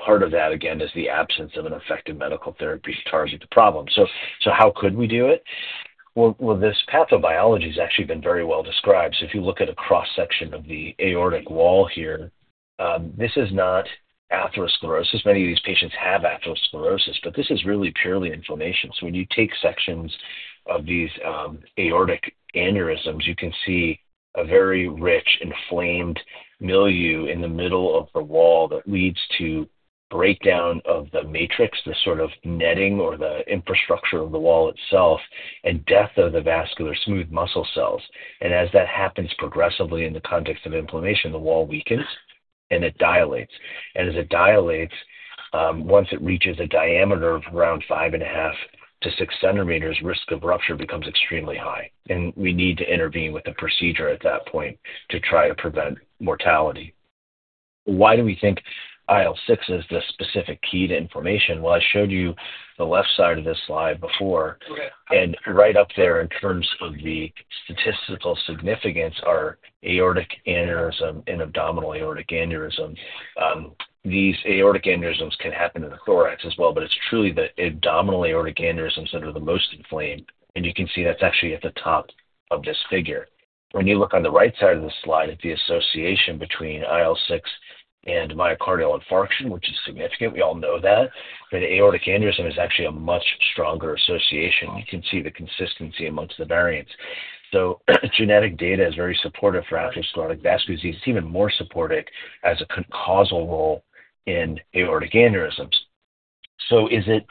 C: Part of that, again, is the absence of an effective medical therapy to target the problem. How could we do it? Well, this pathobiology has actually been very well described. If you look at a cross-section of the aortic wall here, this is not atherosclerosis. Many of these patients have atherosclerosis, but this is really purely inflammation. When you take sections of these aortic aneurysms, you can see a very rich inflamed milieu in the middle of the wall that leads to breakdown of the matrix, the sort of netting or the infrastructure of the wall itself, and death of the vascular smooth muscle cells. As that happens progressively in the context of inflammation, the wall weakens and it dilates. As it dilates, once it reaches a diameter of around five and a half to six centimeters, risk of rupture becomes extremely high. We need to intervene with a procedure at that point to try to prevent mortality. Why do we think IL-6 is the specific key to inflammation? I showed you the left side of this slide before. Right up there, in terms of the statistical significance, are aortic aneurysm and abdominal aortic aneurysm. These aortic aneurysms can happen in the thorax as well, but it's truly the abdominal aortic aneurysms that are the most inflamed. You can see that's actually at the top of this figure. When you look on the right side of the slide, it's the association between IL-6 and myocardial infarction, which is significant. We all know that. Aortic aneurysm is actually a much stronger association. You can see the consistency among the variants. Genetic data is very supportive for atherosclerotic vascular disease. It's even more supportive as a causal role in aortic aneurysms. Is it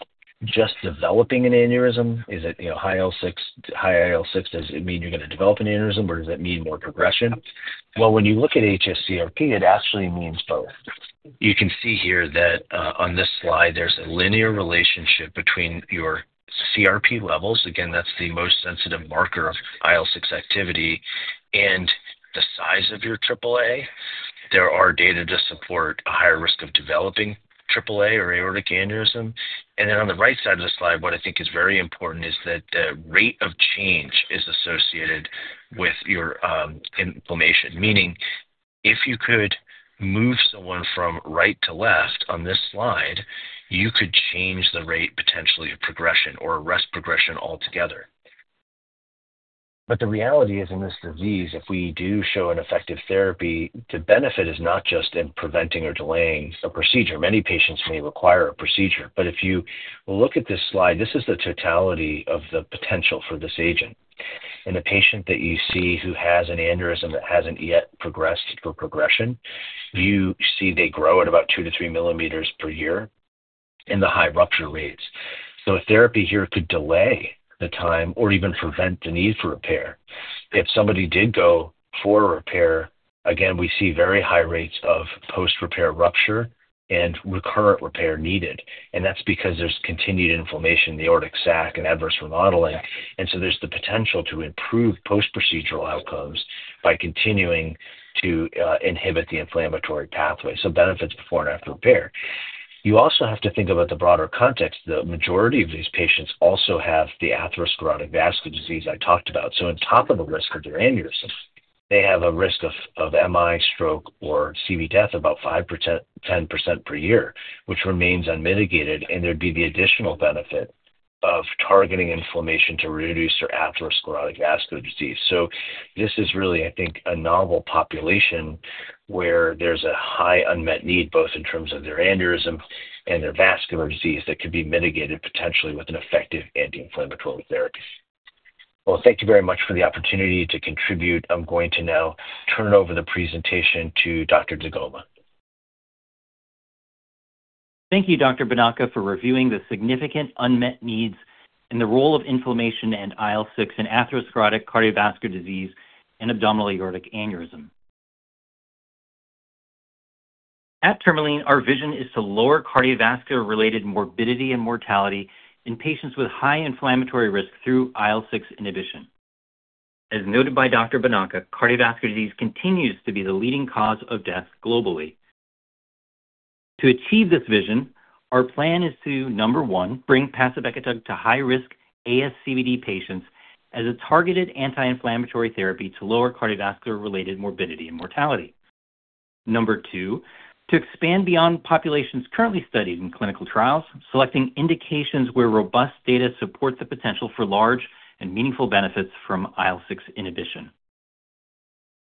C: just developing an aneurysm? Is it high IL-6? Does it mean you're going to develop an aneurysm, or does it mean more progression? Well, when you look at hsCRP, it actually means both. You can see here that on this slide, there's a linear relationship between your CRP levels. Again, that's the most sensitive marker of IL-6 activity and the size of your AAA. There are data to support a higher risk of developing AAA or aortic aneurysm. And then on the right side of the slide, what is very important is that the rate of change is associated with your inflammation. Meaning, if you could move someone from right to left on this slide, you could change the rate potentially of progression or arrest progression altogether. The reality is, in this disease, if we do show an effective therapy, the benefit is not just in preventing or delaying a procedure. Many patients may require a procedure, but if you look at this slide, this is the totality of the potential for this agent. In a patient that you see who has an aneurysm that hasn't yet progressed for progression, you see they grow at about two to 3mm per year in the high rupture rates. Therapy here could delay the time or even prevent the need for repair. If somebody did go for a repair, again, we see very high rates of post-repair rupture and recurrent repair needed, and that's because there's continued inflammation in the aortic sac and adverse remodeling, there's the potential to improve post-procedural outcomes by continuing to inhibit the inflammatory pathway, so benefits before and after repair. You also have to think about the broader context. The majority of these patients also have the atherosclerotic vascular disease I talked about. On top of the risk of their aneurysm, they have a risk of MI, stroke, or CV death about 5%-10% per year, which remains unmitigated. There'd be the additional benefit of targeting inflammation to reduce their atherosclerotic vascular disease. This is really a novel population where there's a high unmet need, both in terms of their aneurysm and their vascular disease, that could be mitigated potentially with an effective anti-inflammatory therapy. Thank you very much for the opportunity to contribute. I'm going to now turn over the presentation to Dr. deGoma.
D: Thank you, Dr. Bonaca, for reviewing the significant unmet needs and the role of inflammation and IL-6 in atherosclerotic cardiovascular disease and abdominal aortic aneurysm. At Tourmaline, our vision is to lower cardiovascular-related morbidity and mortality in patients with high inflammatory risk through IL-6 inhibition. As noted by Dr. Bonaca, cardiovascular disease continues to be the leading cause of death globally. To achieve this vision, our plan is to, number one, bring pacibartug to high-risk ASCVD patients as a targeted anti-inflammatory therapy to lower cardiovascular-related morbidity and mortality. Number two, to expand beyond populations currently studied in clinical trials, selecting indications where robust data support the potential for large and meaningful benefits from IL-6 inhibition.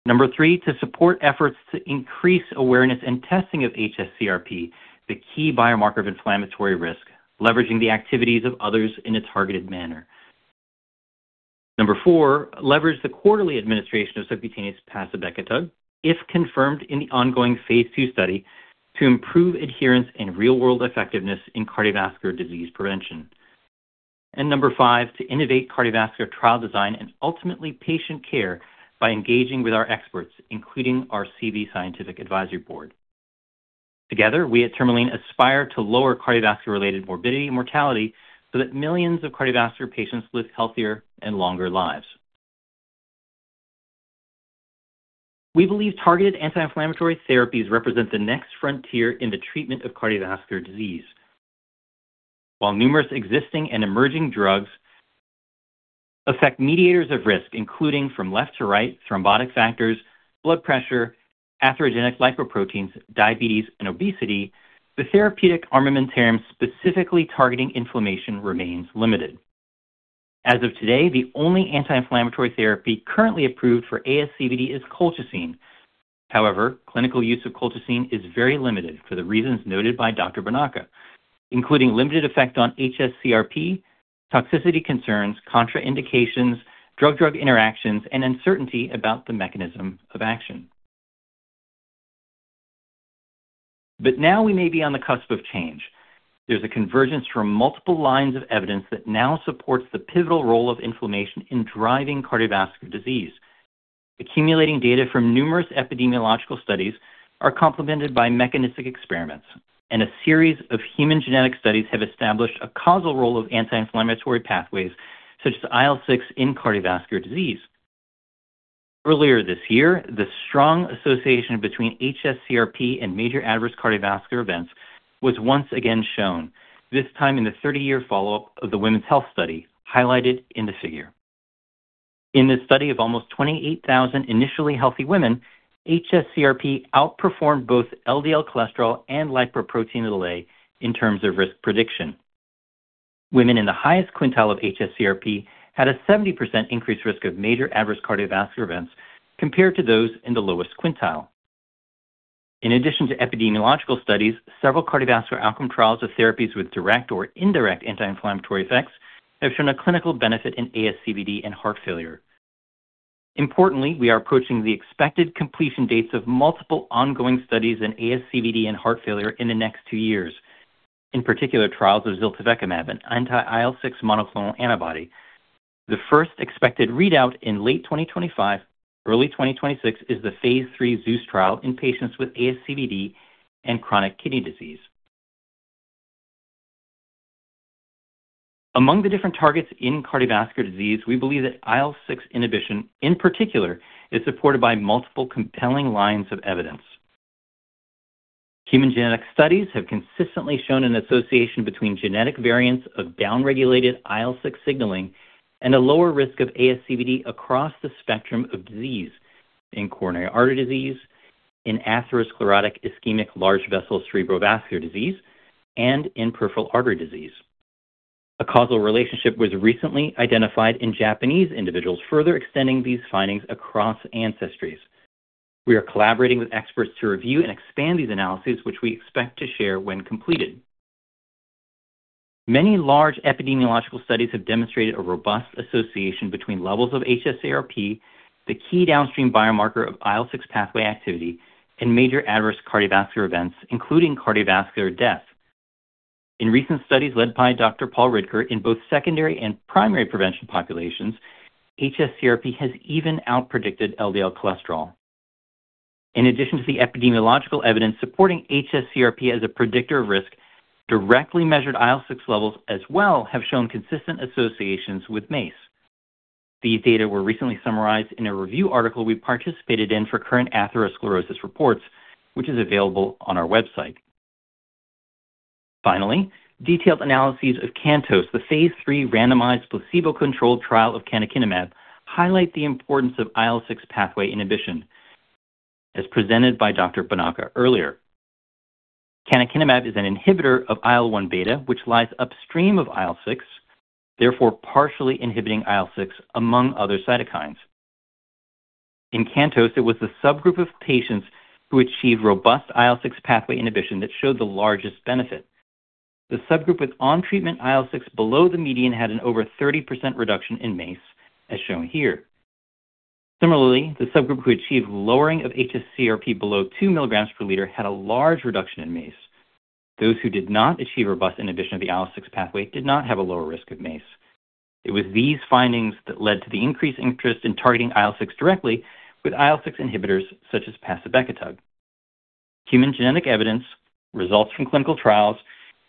D: Number three, to support efforts to increase awareness and testing of hsCRP, the key biomarker of inflammatory risk, leveraging the activities of others in a targeted manner. Number four, leverage the quarterly administration of subcutaneous pacibartug, if confirmed in the ongoing phase II study, to improve adherence and real-world effectiveness in cardiovascular disease prevention. And number five, to innovate cardiovascular trial design and ultimately patient care by engaging with our experts, including our CV Scientific Advisory Board.
C: Together, we at Tourmaline aspire to lower cardiovascular-related morbidity and mortality, millions of cardiovascular patients live healthier and longer lives. We believe targeted anti-inflammatory therapies represent the next frontier in the treatment of cardiovascular disease. While numerous existing and emerging drugs affect mediators of risk, including from left to right thrombotic factors, blood pressure, atherogenic lipoproteins, diabetes, and obesity, the therapeutic armamentarium specifically targeting inflammation remains limited. As of today, the only anti-inflammatory therapy currently approved for ASCVD is colchicine. However, clinical use of colchicine is very limited for the reasons noted by Dr. Bonaca, including limited effect on hsCRP, toxicity concerns, contraindications, drug-drug interactions, and uncertainty about the mechanism of action. Now we may be on the cusp of change. There's a convergence from multiple lines of evidence that now supports the pivotal role of inflammation in driving cardiovascular disease. Accumulating data from numerous epidemiological studies are complemented by mechanistic experiments, and a series of human genetic studies have established a causal role of anti-inflammatory pathways such as IL-6 in cardiovascular disease. Earlier this year, the strong association between hsCRP and major adverse cardiovascular events was once again shown, this time in the 30-year follow-up of the Women's Health Study highlighted in the figure. In this study of almost 28,000 initially healthy women, hsCRP outperformed both LDL cholesterol and Lp(a) in terms of risk prediction. Women in the highest quintile of hsCRP had a 70% increased risk of major adverse cardiovascular events compared to those in the lowest quintile. In addition to epidemiological studies, several cardiovascular outcome trials of therapies with direct or indirect anti-inflammatory effects have shown a clinical benefit in ASCVD and heart failure. Importantly, we are approaching the expected completion dates of multiple ongoing studies in ASCVD and heart failure in the next two years, in particular trials of ziltivecumab, an anti-IL-6 monoclonal antibody. The first expected readout in late 2025, early 2026, is the phase III ZEUS trial in patients with ASCVD and chronic kidney disease. Among the different targets in cardiovascular disease, we believe that IL-6 inhibition, in particular, is supported by multiple compelling lines of evidence. Human genetic studies have consistently shown an association between genetic variants of downregulated IL-6 signaling and a lower risk of ASCVD across the spectrum of disease in coronary artery disease, in atherosclerotic ischemic large vessel cerebrovascular disease, and in peripheral artery disease. A causal relationship was recently identified in Japanese individuals, further extending these findings across ancestries. We are collaborating with experts to review and expand these analyses, which we expect to share when completed. Many large epidemiological studies have demonstrated a robust association between levels of hsCRP, the key downstream biomarker of IL-6 pathway activity, and major adverse cardiovascular events, including cardiovascular death. In recent studies led by Dr. Paul Ridker in both secondary and primary prevention populations, hsCRP has even outpredicted LDL cholesterol. In addition to the epidemiological evidence supporting hsCRP as a predictor of risk, directly measured IL-6 levels as well have shown consistent associations with MACE. These data were recently summarized in a review article we participated in for current atherosclerosis reports, which is available on our website. Finally, detailed analyses of CANTOS, the phase III randomized placebo-controlled trial of canakinumab, highlight the importance of IL-6 pathway inhibition, as presented by Dr. Bonaca earlier. Canakinumab is an inhibitor of IL-1 beta, which lies upstream of IL-6, therefore partially inhibiting IL-6 among other cytokines. In CANTOS, it was the subgroup of patients who achieved robust IL-6 pathway inhibition that showed the largest benefit. The subgroup with on-treatment IL-6 below the median had an over 30% reduction in MACE, as shown here. Similarly, the subgroup who achieved lowering of hsCRP below 2mg per liter had a large reduction in MACE. Those who did not achieve robust inhibition of the IL-6 pathway did not have a lower risk of MACE. It was these findings that led to the increased interest in targeting IL-6 directly with IL-6 inhibitors such as pacibartug. Human genetic evidence, results from clinical trials,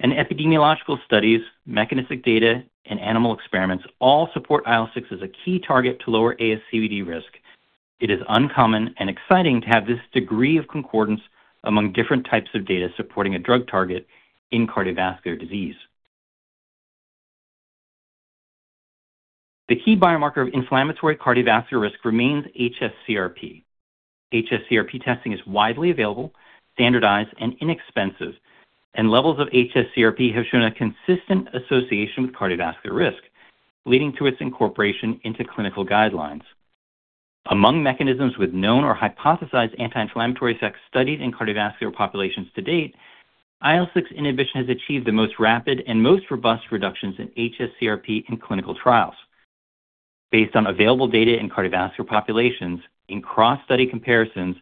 C: and epidemiological studies, mechanistic data, and animal experiments all support IL-6 as a key target to lower ASCVD risk. It is uncommon and exciting to have this degree of concordance among different types of data supporting a drug target in cardiovascular disease. The key biomarker of inflammatory cardiovascular risk remains hsCRP. hsCRP testing is widely available, standardized, and inexpensive, and levels of hsCRP have shown a consistent association with cardiovascular risk, leading to its incorporation into clinical guidelines. Among mechanisms with known or hypothesized anti-inflammatory effects studied in cardiovascular populations to date, IL-6 inhibition has achieved the most rapid and most robust reductions in hsCRP in clinical trials. Based on available data in cardiovascular populations in cross-study comparisons,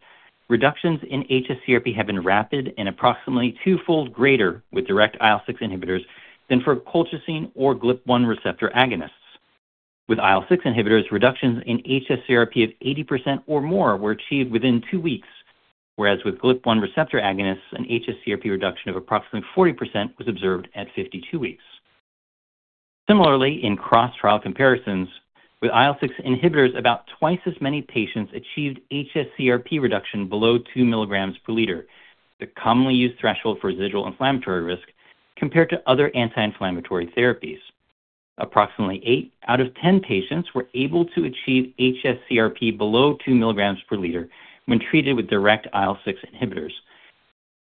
C: reductions in hsCRP have been rapid and approximately twofold greater with direct IL-6 inhibitors than for colchicine or GLP-1 receptor agonists. With IL-6 inhibitors, reductions in hsCRP of 80% or more were achieved within two weeks, whereas with GLP-1 receptor agonists, an hsCRP reduction of approximately 40% was observed at 52 weeks. Similarly, in cross-trial comparisons, with IL-6 inhibitors, about twice as many patients achieved hsCRP reduction below 2mg per liter, the commonly used threshold for residual inflammatory risk, compared to other anti-inflammatory therapies. Approximately eight out of 10 patients were able to achieve hsCRP below 2mg per liter when treated with direct IL-6 inhibitors.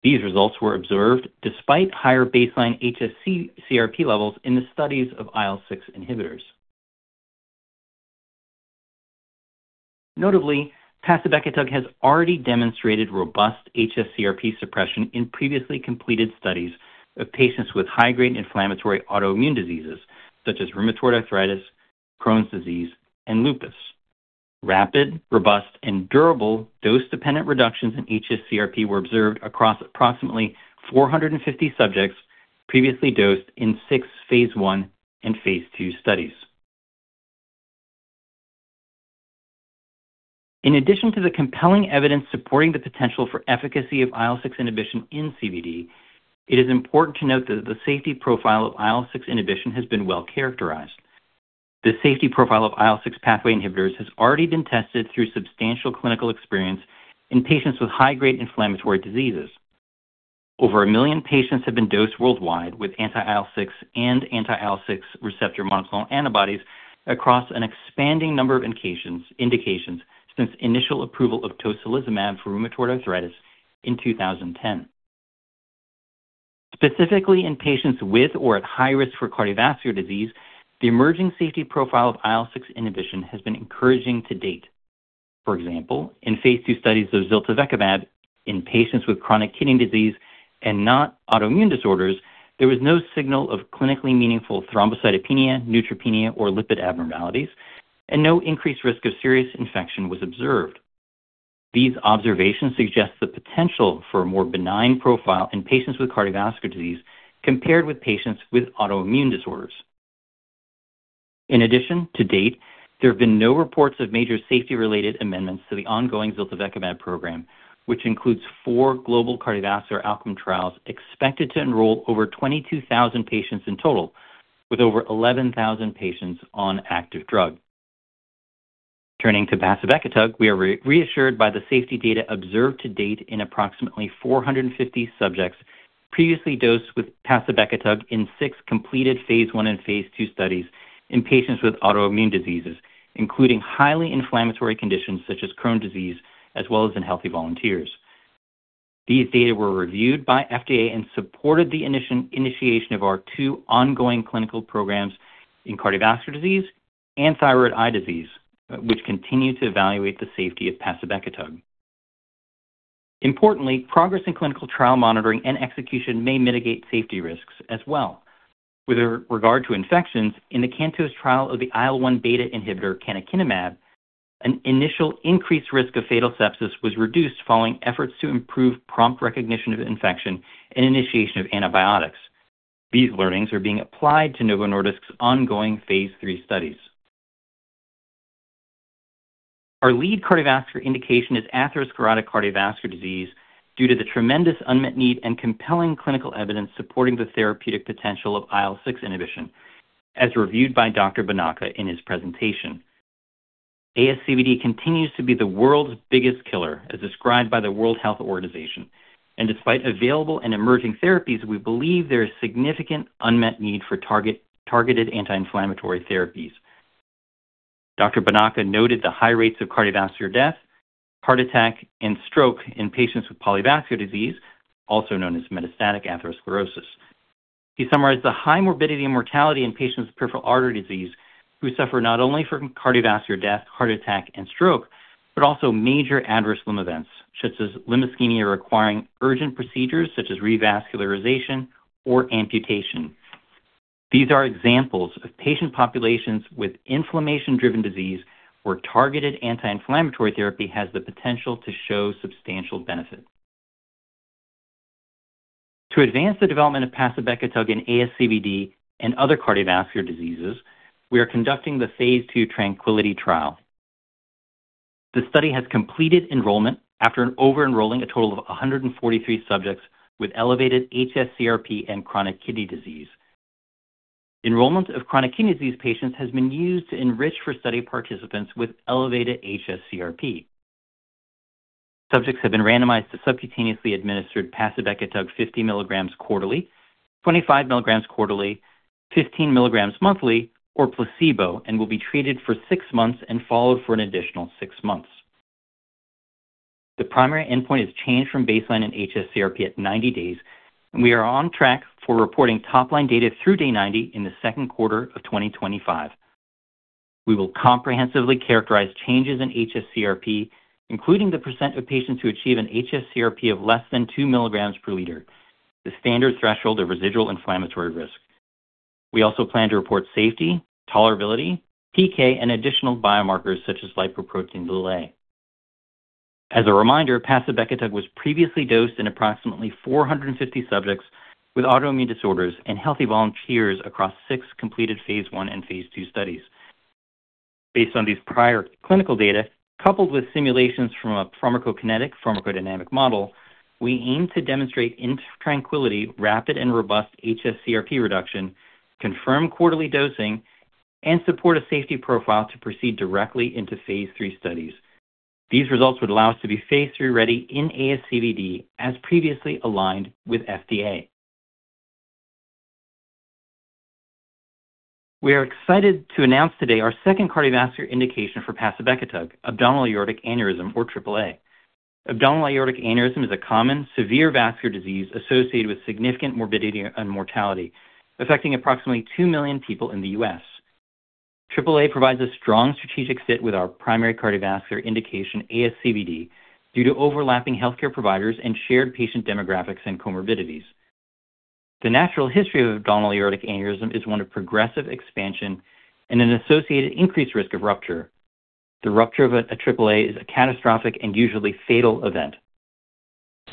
C: These results were observed despite higher baseline hsCRP levels in the studies of IL-6 inhibitors. Notably, pacibartug has already demonstrated robust hsCRP suppression in previously completed studies of patients with high-grade inflammatory autoimmune diseases such as rheumatoid arthritis, Crohn's disease, and lupus. Rapid, robust, and durable dose-dependent reductions in hsCRP were observed across approximately 450 subjects previously dosed in six phase I and phase II studies. In addition to the compelling evidence supporting the potential for efficacy of IL-6 inhibition in CVD, it is important to note that the safety profile of IL-6 inhibition has been well characterized. The safety profile of IL-6 pathway inhibitors has already been tested through substantial clinical experience in patients with high-grade inflammatory diseases. Over a million patients have been dosed worldwide with anti-IL-6 and anti-IL-6 receptor monoclonal antibodies across an expanding number of indications since initial approval of tocilizumab for rheumatoid arthritis in 2010. Specifically, in patients with or at high risk for cardiovascular disease, the emerging safety profile of IL-6 inhibition has been encouraging to date. For example, in phase II studies of ziltivecumab in patients with chronic kidney disease and not autoimmune disorders, there was no signal of clinically meaningful thrombocytopenia, neutropenia, or lipid abnormalities, and no increased risk of serious infection was observed. These observations suggest the potential for a more benign profile in patients with cardiovascular disease compared with patients with autoimmune disorders. In addition, to date, there have been no reports of major safety-related amendments to the ongoing ziltivecumab program, which includes four global cardiovascular outcome trials expected to enroll over 22,000 patients in total, with over 11,000 patients on active drug. Turning to pacibartug, we are reassured by the safety data observed to date in approximately 450 subjects previously dosed with pacibartug in six completed phase I and phase II studies in patients with autoimmune diseases, including highly inflammatory conditions such as Crohn's disease, as well as in healthy volunteers. These data were reviewed by FDA and supported the initiation of our two ongoing clinical programs in cardiovascular disease and thyroid eye disease, which continue to evaluate the safety of pacibartug. Importantly, progress in clinical trial monitoring and execution may mitigate safety risks as well. With regard to infections, in the CANTOS trial of the IL-1 beta inhibitor canakinumab, an initial increased risk of fatal sepsis was reduced following efforts to improve prompt recognition of infection and initiation of antibiotics. These learnings are being applied to Novo Nordisk's ongoing phase III studies. Our lead cardiovascular indication is atherosclerotic cardiovascular disease due to the tremendous unmet need and compelling clinical evidence supporting the therapeutic potential of IL-6 inhibition, as reviewed by Dr. Marc Bonaca in his presentation. ASCVD continues to be the world's biggest killer, as described by the World Health Organization. Despite available and emerging therapies, we believe there is significant unmet need for targeted anti-inflammatory therapies. Dr. Bonaca noted the high rates of cardiovascular death, heart attack, and stroke in patients with polyvascular disease, also known as metastatic atherosclerosis. He summarized the high morbidity and mortality in patients with peripheral artery disease who suffer not only from cardiovascular death, heart attack, and stroke, but also major adverse limb events such as limb ischemia requiring urgent procedures such as revascularization or amputation. These are examples of patient populations with inflammation-driven disease where targeted anti-inflammatory therapy has the potential to show substantial benefit. To advance the development of pacibartug in ASCVD and other cardiovascular diseases, we are conducting the phase II TRANQUILITY trial. The study has completed enrollment after over-enrolling a total of 143 subjects with elevated hsCRP and chronic kidney disease. Enrollment of chronic kidney disease patients has been used to enrich for study participants with elevated hsCRP. Subjects have been randomized to subcutaneously administered pacibartug 50mg quarterly, 25mg quarterly, 15mg monthly, or placebo, and will be treated for six months and followed for an additional six months. The primary endpoint is change from baseline in hsCRP at 90 days, and we are on track for reporting top-line data through day 90 in the second quarter of 2025. We will comprehensively characterize changes in hsCRP, including the percent of patients who achieve an hsCRP of less than 2mg per liter, the standard threshold of residual inflammatory risk. We also plan to report safety, tolerability, PK, and additional biomarkers such as Lp(a). As a reminder, pacibartug was previously dosed in approximately 450 subjects with autoimmune disorders and healthy volunteers across six completed phase I and phase II studies. Based on these prior clinical data, coupled with simulations from a pharmacokinetic pharmacodynamic model, we aim to demonstrate in TRANQUILITY rapid and robust hsCRP reduction, confirm quarterly dosing, and support a safety profile to proceed directly into phase III studies. These results would allow us to be phase III ready in ASCVD as previously aligned with FDA. We are excited to announce today our second cardiovascular indication for pacibartug, abdominal aortic aneurysm, or AAA. Abdominal aortic aneurysm is a common, severe vascular disease associated with significant morbidity and mortality, affecting approximately 2 million people in the U.S. AAA provides a strong strategic fit with our primary cardiovascular indication, ASCVD, due to overlapping healthcare providers and shared patient demographics and comorbidities. The natural history of abdominal aortic aneurysm is one of progressive expansion and an associated increased risk of rupture. The rupture of a AAA is a catastrophic and usually fatal event.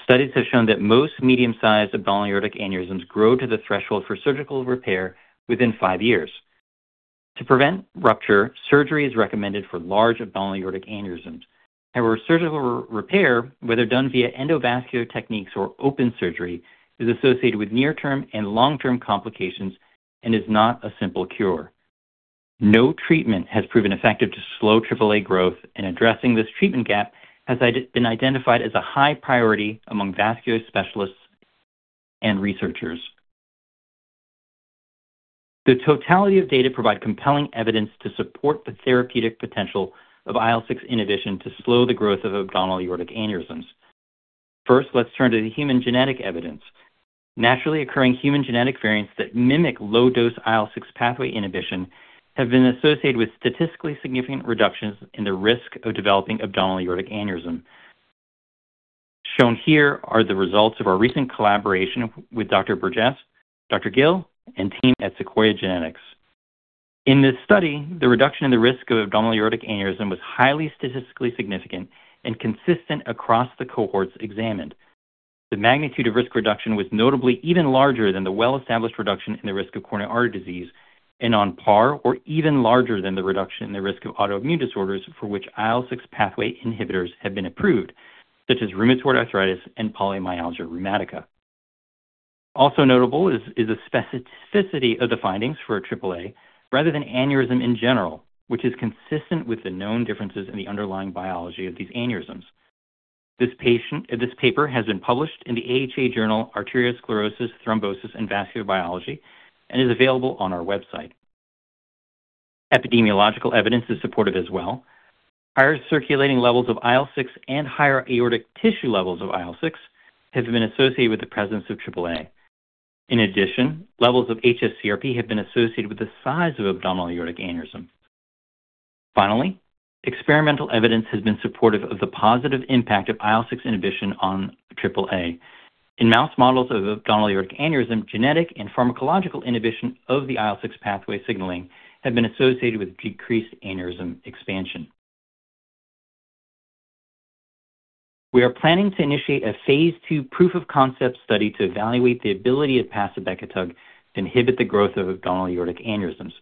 C: Studies have shown that most medium-sized abdominal aortic aneurysms grow to the threshold for surgical repair within five years. To prevent rupture, surgery is recommended for large abdominal aortic aneurysms. However, surgical repair, whether done via endovascular techniques or open surgery, is associated with near-term and long-term complications and is not a simple cure. No treatment has proven effective to slow AAA growth, and addressing this treatment gap has been identified as a high priority among vascular specialists and researchers. The totality of data provides compelling evidence to support the therapeutic potential of IL-6 inhibition to slow the growth of abdominal aortic aneurysms. First, let's turn to the human genetic evidence. Naturally occurring human genetic variants that mimic low-dose IL-6 pathway inhibition have been associated with statistically significant reductions in the risk of developing abdominal aortic aneurysm. Shown here are the results of our recent collaboration with Dr. Burgess, Dr. Gill, and team at Sequoia Genetics. In this study, the reduction in the risk of abdominal aortic aneurysm was highly statistically significant and consistent across the cohorts examined. The magnitude of risk reduction was notably even larger than the well-established reduction in the risk of coronary artery disease and on par or even larger than the reduction in the risk of autoimmune disorders for which IL-6 pathway inhibitors have been approved, such as rheumatoid arthritis and polymyalgia rheumatica. Also notable is the specificity of the findings for AAA, rather than aneurysm in general, which is consistent with the known differences in the underlying biology of these aneurysms. This paper has been published in the AHA journal, Arteriosclerosis, Thrombosis, and Vascular Biology, and is available on our website. Epidemiological evidence is supportive as well. Higher circulating levels of IL-6 and higher aortic tissue levels of IL-6 have been associated with the presence of AAA. In addition, levels of hsCRP have been associated with the size of abdominal aortic aneurysm. Finally, experimental evidence has been supportive of the positive impact of IL-6 inhibition on AAA. In mouse models of abdominal aortic aneurysm, genetic and pharmacological inhibition of the IL-6 pathway signaling have been associated with decreased aneurysm expansion. We are planning to initiate a phase II proof of concept study to evaluate the ability of pacibartug to inhibit the growth of abdominal aortic aneurysms.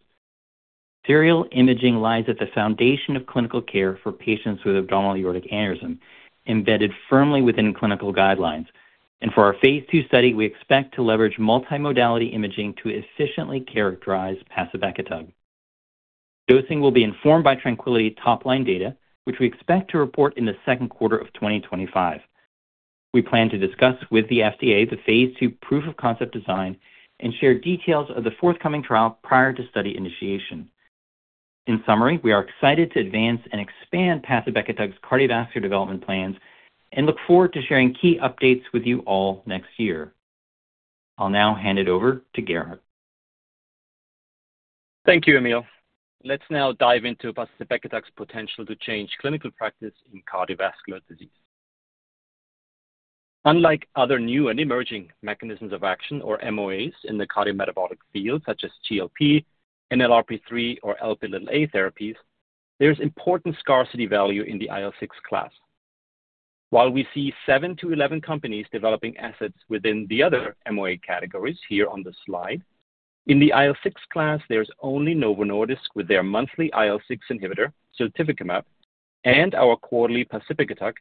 C: Serial imaging lies at the foundation of clinical care for patients with abdominal aortic aneurysm, embedded firmly within clinical guidelines. Our phase II study, we expect to leverage multimodality imaging to efficiently characterize pacibartug. Dosing will be informed by TRANQUILITY top-line data, which we expect to report in the second quarter of 2025. We plan to discuss with the FDA the phase II proof of concept design and share details of the forthcoming trial prior to study initiation. In summary, we are excited to advance and expand pacibartug's cardiovascular development plans and look forward to sharing key updates with you all next year. I'll now hand it over to Gerhard.
E: Thank you, Emil. Let's now dive into pacibartug's potential to change clinical practice in cardiovascular disease. Unlike other new and emerging mechanisms of action, or MOAs, in the cardiometabolic field, such as GLP, NLRP3, or Lp(a) therapies, there is important scarcity value in the IL-6 class. While we see 7-11 companies developing assets within the other MOA categories here on the slide, in the IL-6 class, there is only Novo Nordisk with their monthly IL-6 inhibitor, ziltivecumab, and our quarterly pacibartug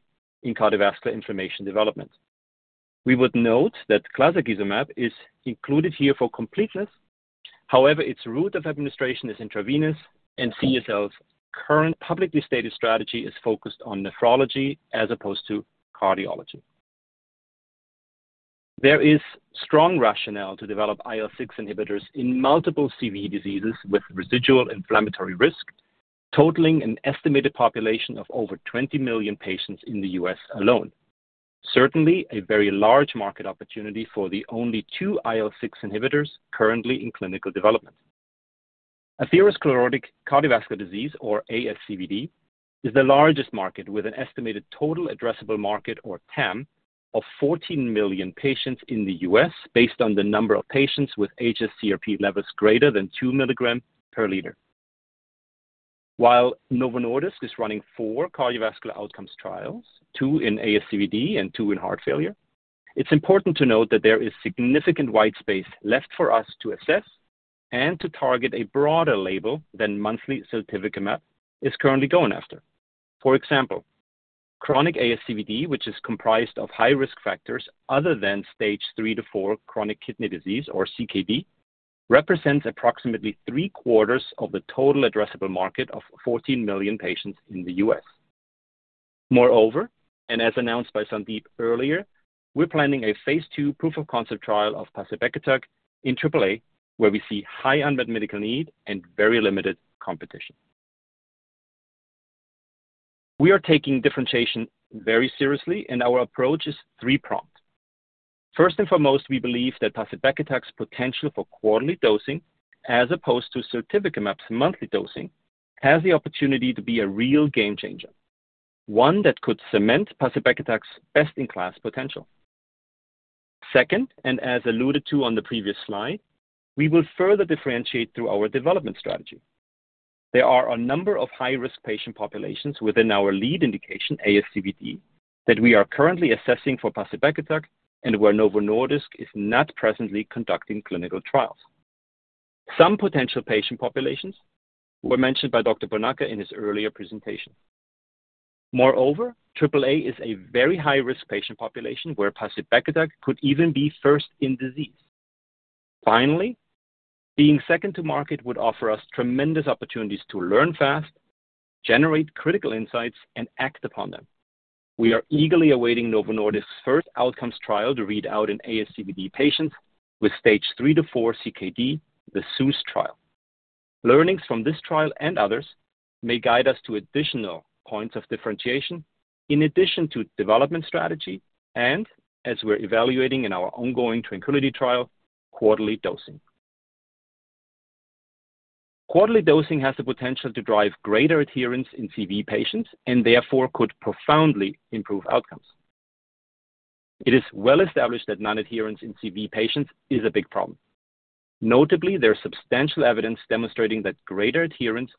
E: in cardiovascular inflammation development. We would note that clazakizumab is included here for completeness. However, its route of administration is intravenous, and CSL's current publicly stated strategy is focused on nephrology as opposed to cardiology. There is strong rationale to develop IL-6 inhibitors in multiple CV diseases with residual inflammatory risk, totaling an estimated population of over 20 million patients in the U.S. alone. Certainly, a very large market opportunity for the only two IL-6 inhibitors currently in clinical development. Atherosclerotic cardiovascular disease, or ASCVD, is the largest market with an estimated total addressable market, or TAM, of 14 million patients in the U.S. Based on the number of patients with hsCRP levels greater than 2mg per liter. While Novo Nordisk is running four cardiovascular outcomes trials, two in ASCVD and two in heart failure, it's important to note that there is significant white space left for us to assess and to target a broader label than monthly ziltivecumab is currently going after. For example, chronic ASCVD, which is comprised of high-risk factors other than stage three to four chronic kidney disease, or CKD, represents approximately three-quarters of the total addressable market of 14 million patients in the U.S. Moreover, and as announced by Sandeep earlier, we're planning a phase II proof of concept trial of pacibartug in AAA, where we see high unmet medical need and very limited competition. We are taking differentiation very seriously, and our approach is three-pronged. First and foremost, we believe that pacibartug's potential for quarterly dosing, as opposed to ziltivecumab's monthly dosing, has the opportunity to be a real game changer, one that could cement pacibartug's best-in-class potential. Second, and as alluded to on the previous slide, we will further differentiate through our development strategy. There are a number of high-risk patient populations within our lead indication, ASCVD, that we are currently assessing for pacibartug and where Novo Nordisk is not presently conducting clinical trials. Some potential patient populations were mentioned by Dr. Bonaca in his earlier presentation. Moreover, AAA is a very high-risk patient population where pacibartug could even be first in disease. Finally, being second to market would offer us tremendous opportunities to learn fast, generate critical insights, and act upon them. We are eagerly awaiting Novo Nordisk's first outcomes trial to read out in ASCVD patients with stage three to four CKD, the ZEUS trial. Learnings from this trial and others may guide us to additional points of differentiation in addition to development strategy and, as we're evaluating in our ongoing tranquility trial, quarterly dosing. Quarterly dosing has the potential to drive greater adherence in CV patients and therefore could profoundly improve outcomes. It is well established that non-adherence in CV patients is a big problem. Notably, there is substantial evidence demonstrating that greater adherence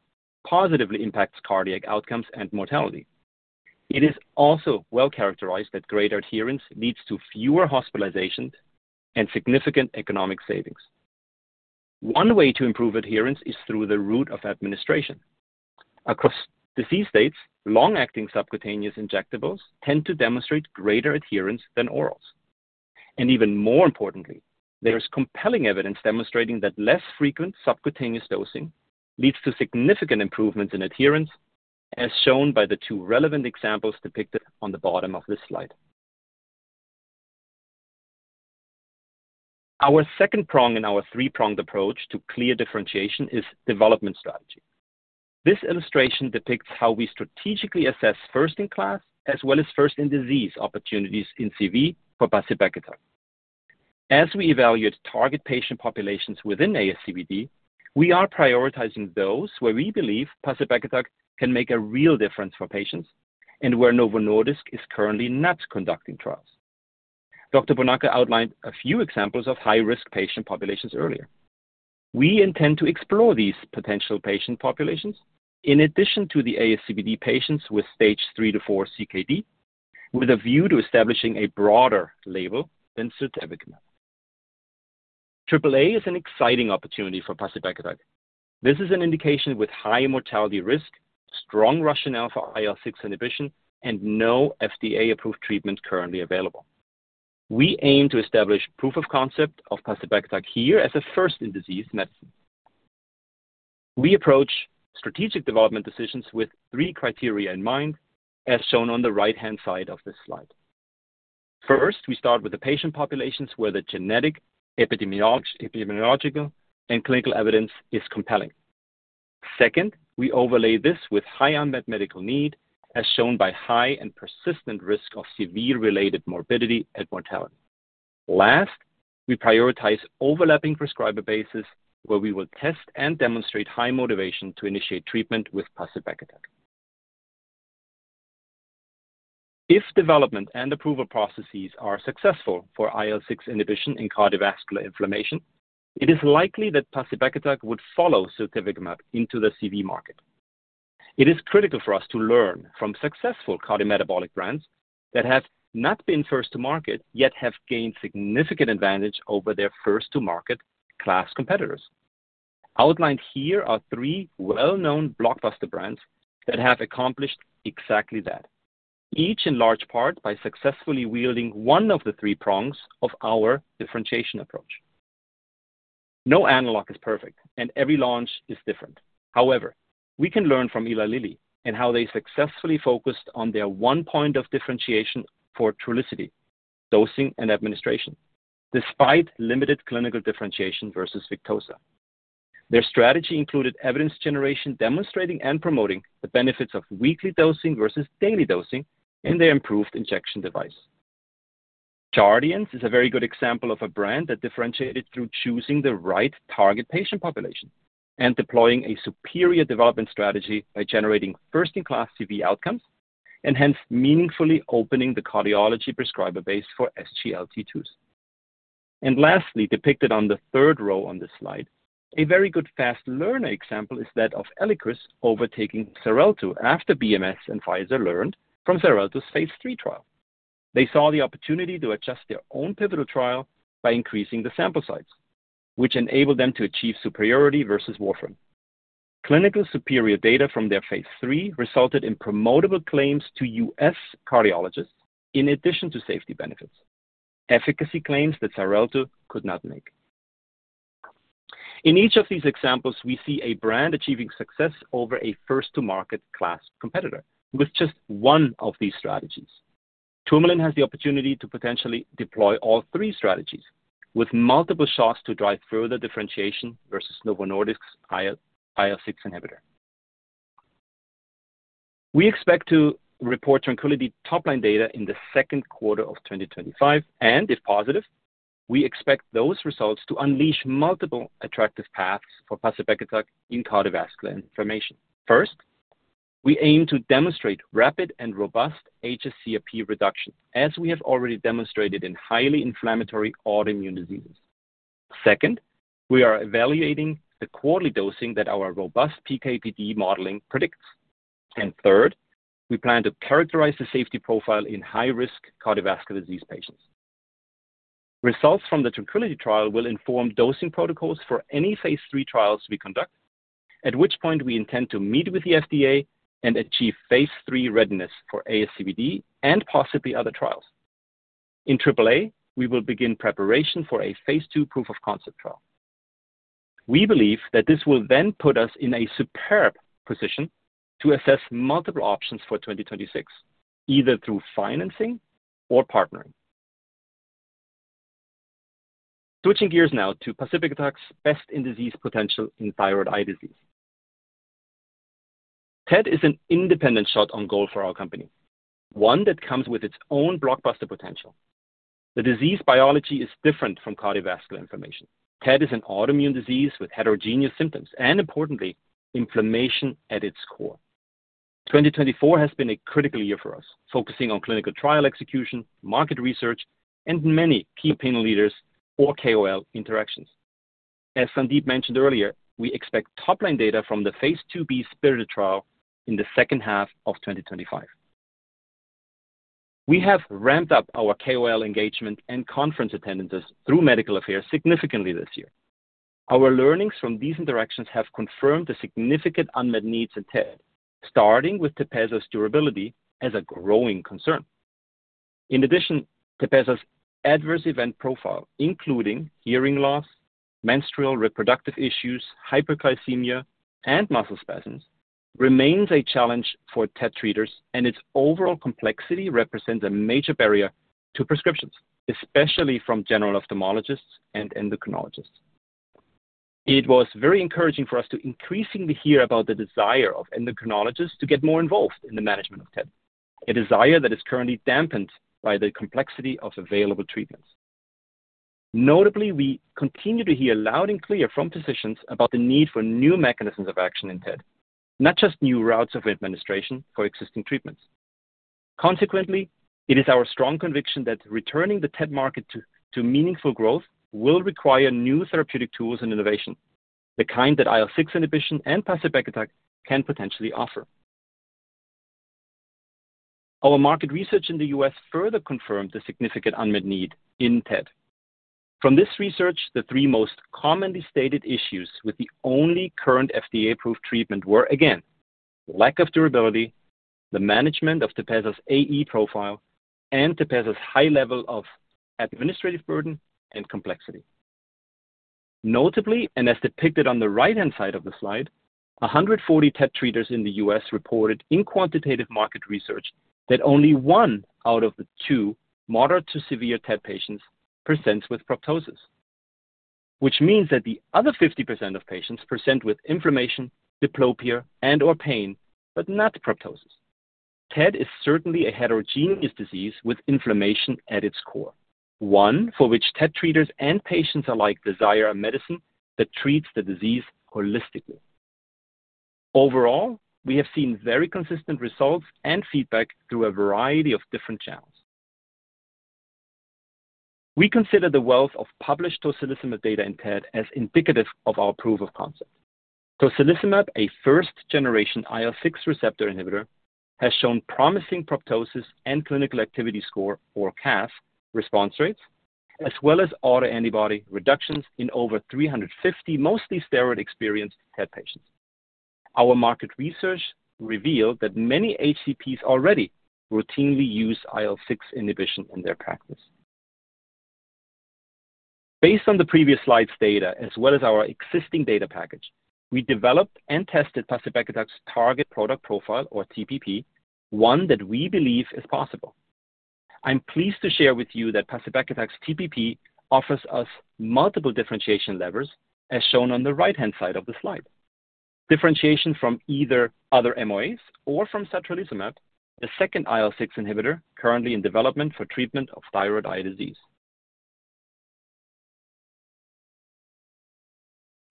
E: positively impacts cardiac outcomes and mortality. It is also well characterized that greater adherence leads to fewer hospitalizations and significant economic savings. One way to improve adherence is through the route of administration. Across disease states, long-acting subcutaneous injectables tend to demonstrate greater adherence than orals. Even more importantly, there is compelling evidence demonstrating that less frequent subcutaneous dosing leads to significant improvements in adherence, as shown by the two relevant examples depicted on the bottom of this slide. Our second prong in our three-pronged approach to clear differentiation is development strategy. This illustration depicts how we strategically assess first-in-class as well as first-in-disease opportunities in CV for pacibartug. As we evaluate target patient populations within ASCVD, we are prioritizing those where we believe pacibartug can make a real difference for patients and where Novo Nordisk is currently not conducting trials. Dr. Bonaca outlined a few examples of high-risk patient populations earlier. We intend to explore these potential patient populations in addition to the ASCVD patients with stage three to four CKD, with a view to establishing a broader label than ziltivecumab. AAA is an exciting opportunity for pacibartug. This is an indication with high mortality risk, strong rationale for IL-6 inhibition, and no FDA-approved treatment currently available. We aim to establish proof of concept of pacibartug here as a first-in-disease medicine. We approach strategic development decisions with three criteria in mind, as shown on the right-hand side of this slide. First, we start with the patient populations where the genetic, epidemiological, and clinical evidence is compelling. Second, we overlay this with high unmet medical need, as shown by high and persistent risk of severe-related morbidity and mortality. Last, we prioritize overlapping prescriber bases where we will test and demonstrate high motivation to initiate treatment with pacibartug. If development and approval processes are successful for IL-6 inhibition in cardiovascular inflammation, it is likely that pacibartug would follow ziltivecumab into the CV market. It is critical for us to learn from successful cardiometabolic brands that have not been first to market yet have gained significant advantage over their first-to-market class competitors. Outlined here are three well-known blockbuster brands that have accomplished exactly that, each in large part by successfully wielding one of the three prongs of our differentiation approach. No analog is perfect, and every launch is different. However, we can learn from Eli Lilly and how they successfully focused on their one point of differentiation for Trulicity dosing and administration, despite limited clinical differentiation versus Victoza. Their strategy included evidence generation demonstrating and promoting the benefits of weekly dosing versus daily dosing in their improved injection device. Jardiance is a very good example of a brand that differentiated through choosing the right target patient population and deploying a superior development strategy by generating first-in-class CV outcomes and hence meaningfully opening the cardiology prescriber base for SGLT2s. And lastly, depicted on the third row on this slide, a very good fast learner example is that of Eliquis overtaking Xarelto after BMS and Pfizer learned from Xarelto's phase III trial. They saw the opportunity to adjust their own pivotal trial by increasing the sample size, which enabled them to achieve superiority versus warfarin. Clinically superior data from their phase III resulted in promotable claims to U.S. cardiologists in addition to safety benefits, efficacy claims that Xarelto could not make. In each of these examples, we see a brand achieving success over a first-to-market class competitor with just one of these strategies. Tourmaline has the opportunity to potentially deploy all three strategies with multiple shots to drive further differentiation versus Novo Nordisk's IL-6 inhibitor. We expect to report TRANQUILITY top-line data in the second quarter of 2025, and if positive, we expect those results to unleash multiple attractive paths for pacibartug in cardiovascular inflammation. First, we aim to demonstrate rapid and robust hsCRP reduction, as we have already demonstrated in highly inflammatory autoimmune diseases. Second, we are evaluating the quarterly dosing that our robust PKPD modeling predicts. And third, we plan to characterize the safety profile in high-risk cardiovascular disease patients. Results from the TRANQUILITY trial will inform dosing protocols for any phase III trials we conduct, at which point we intend to meet with the FDA and achieve phase III readiness for ASCVD and possibly other trials. In AAA, we will begin preparation for a phase II proof of concept trial. We believe that this will then put us in a superb position to assess multiple options for 2026, either through financing or partnering. Switching gears now to pacibartug's best-in-class potential in thyroid eye disease. TED is an independent shot on goal for our company, one that comes with its own blockbuster potential. The disease biology is different from cardiovascular inflammation. TED is an autoimmune disease with heterogeneous symptoms and, importantly, inflammation at its core. 2024 has been a critical year for us, focusing on clinical trial execution, market research, and many key opinion leaders or KOL interactions. As Sandeep mentioned earlier, we expect top-line data from the phase II-b SPIRITED trial in the second half of 2025. We have ramped up our KOL engagement and conference attendances through medical affairs significantly this year. Our learnings from these interactions have confirmed the significant unmet needs in TED, starting with Tepezza's durability as a growing concern. In addition, Tepezza's adverse event profile, including hearing loss, menstrual reproductive issues, hyperglycemia, and muscle spasms, remains a challenge for TED treaters, and its overall complexity represents a major barrier to prescriptions, especially from general ophthalmologists and endocrinologists. It was very encouraging for us to increasingly hear about the desire of endocrinologists to get more involved in the management of TED, a desire that is currently dampened by the complexity of available treatments. Notably, we continue to hear loud and clear from physicians about the need for new mechanisms of action in TED, not just new routes of administration for existing treatments. Consequently, it is our strong conviction that returning the TED market to meaningful growth will require new therapeutic tools and innovation, the kind that IL-6 inhibition and pacibekitug can potentially offer. Our market research in the U.S. further confirmed the significant unmet need in TED. From this research, the three most commonly stated issues with the only current FDA-approved treatment were, again, lack of durability, the management of Tepezza's AE profile, and Tepezza's high level of administrative burden and complexity. Notably, and as depicted on the right-hand side of the slide, 140 TED treaters in the U.S. reported in quantitative market research that only one out of the two moderate to severe TED patients presents with proptosis, which means that the other 50% of patients present with inflammation, diplopia, and/or pain, but not proptosis. TED is certainly a heterogeneous disease with inflammation at its core, one for which TED treaters and patients alike desire a medicine that treats the disease holistically. Overall, we have seen very consistent results and feedback through a variety of different channels. We consider the wealth of published tocilizumab data in TED as indicative of our proof of concept. Tocilizumab, a first-generation IL-6 receptor inhibitor, has shown promising proptosis and clinical activity score, or CAS, response rates, as well as autoantibody reductions in over 350 mostly steroid-experienced TED patients. Our market research revealed that many HCPs already routinely use IL-6 inhibition in their practice. Based on the previous slide's data, as well as our existing data package, we developed and tested pacibartug's target product profile, or TPP, one that we believe is possible. I'm pleased to share with you that pacibartug's TPP offers us multiple differentiation levers, as shown on the right-hand side of the slide, differentiation from either other MOAs or from satralizumab, the second IL-6 inhibitor currently in development for treatment of thyroid eye disease.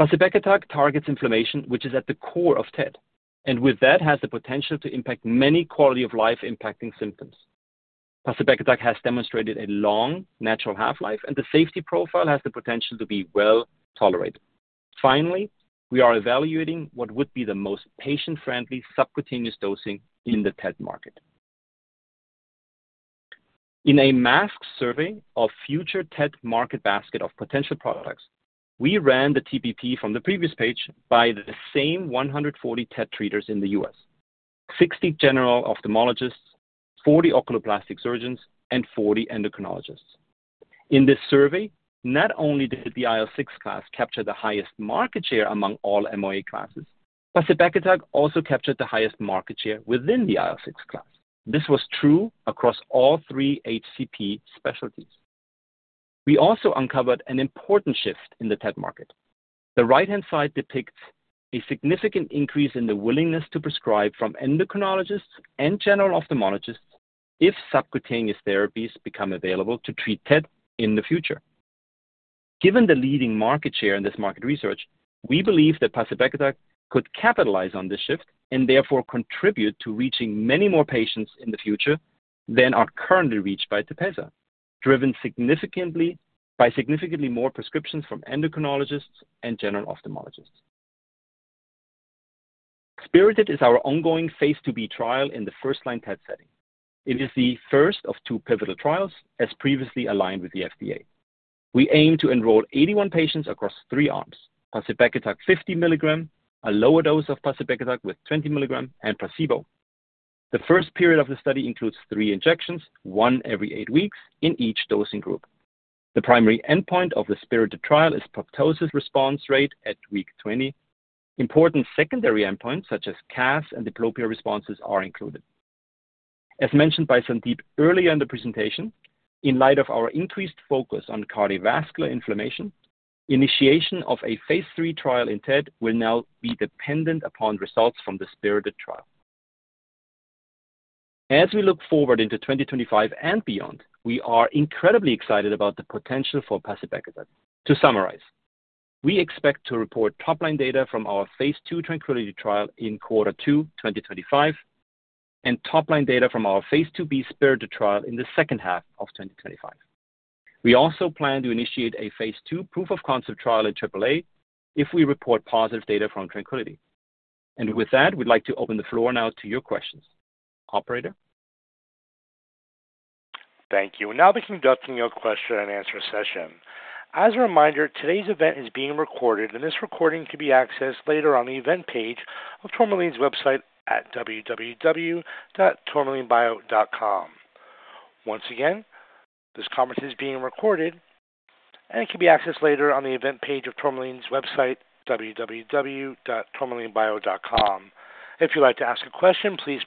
E: Pacibartug targets inflammation, which is at the core of TED, and with that has the potential to impact many quality-of-life-impacting symptoms. Pacibartug has demonstrated a long natural half-life, and the safety profile has the potential to be well tolerated. Finally, we are evaluating what would be the most patient-friendly subcutaneous dosing in the TED market. In a mass survey of future TED market basket of potential products, we ran the TPP from the previous page by the same 140 TED treaters in the U.S.: 60 general ophthalmologists, 40 oculoplastic surgeons, and 40 endocrinologists. In this survey, not only did the IL-6 class capture the highest market share among all MOA classes, pacibartug also captured the highest market share within the IL-6 class. This was true across all three HCP specialties. We also uncovered an important shift in the TED market. The right-hand side depicts a significant increase in the willingness to prescribe from endocrinologists and general ophthalmologists if subcutaneous therapies become available to treat TED in the future. Given the leading market share in this market research, we believe that pacibartug could capitalize on this shift and therefore contribute to reaching many more patients in the future than are currently reached by Tepezza, driven by significantly more prescriptions from endocrinologists and general ophthalmologists. SPIRITED is our ongoing phase II-b trial in the first-line TED setting. It is the first of two pivotal trials, as previously aligned with the FDA. We aim to enroll 81 patients across three arms: pacibartug 50mg, a lower dose of pacibartug with 20mg, and placebo. The first period of the study includes three injections, one every eight weeks in each dosing group. The primary endpoint of the SPIRITED trial is proptosis response rate at week 20. Important secondary endpoints such as CAS and diplopia responses are included. As mentioned by Sandeep earlier in the presentation, in light of our increased focus on cardiovascular inflammation, initiation of a phase III trial in TED will now be dependent upon results from the SPIRITED trial. As we look forward into 2025 and beyond, we are incredibly excited about the potential for pacibartug. To summarize, we expect to report top-line data from our phase II TRANQUILITY trial in quarter two 2025 and top-line data from our phase II-b SPIRITED trial in the second half of 2025. We also plan to initiate a phase II proof of concept trial in AAA if we report positive data from TRANQUILITY. And with that, we'd like to open the floor now to your questions. Operator?
A: Thank you. Now beginning the question and answer session. As a reminder, today's event is being recorded, and this recording can be accessed later on the event page of Tourmaline's website at www.tourmalinebio.com.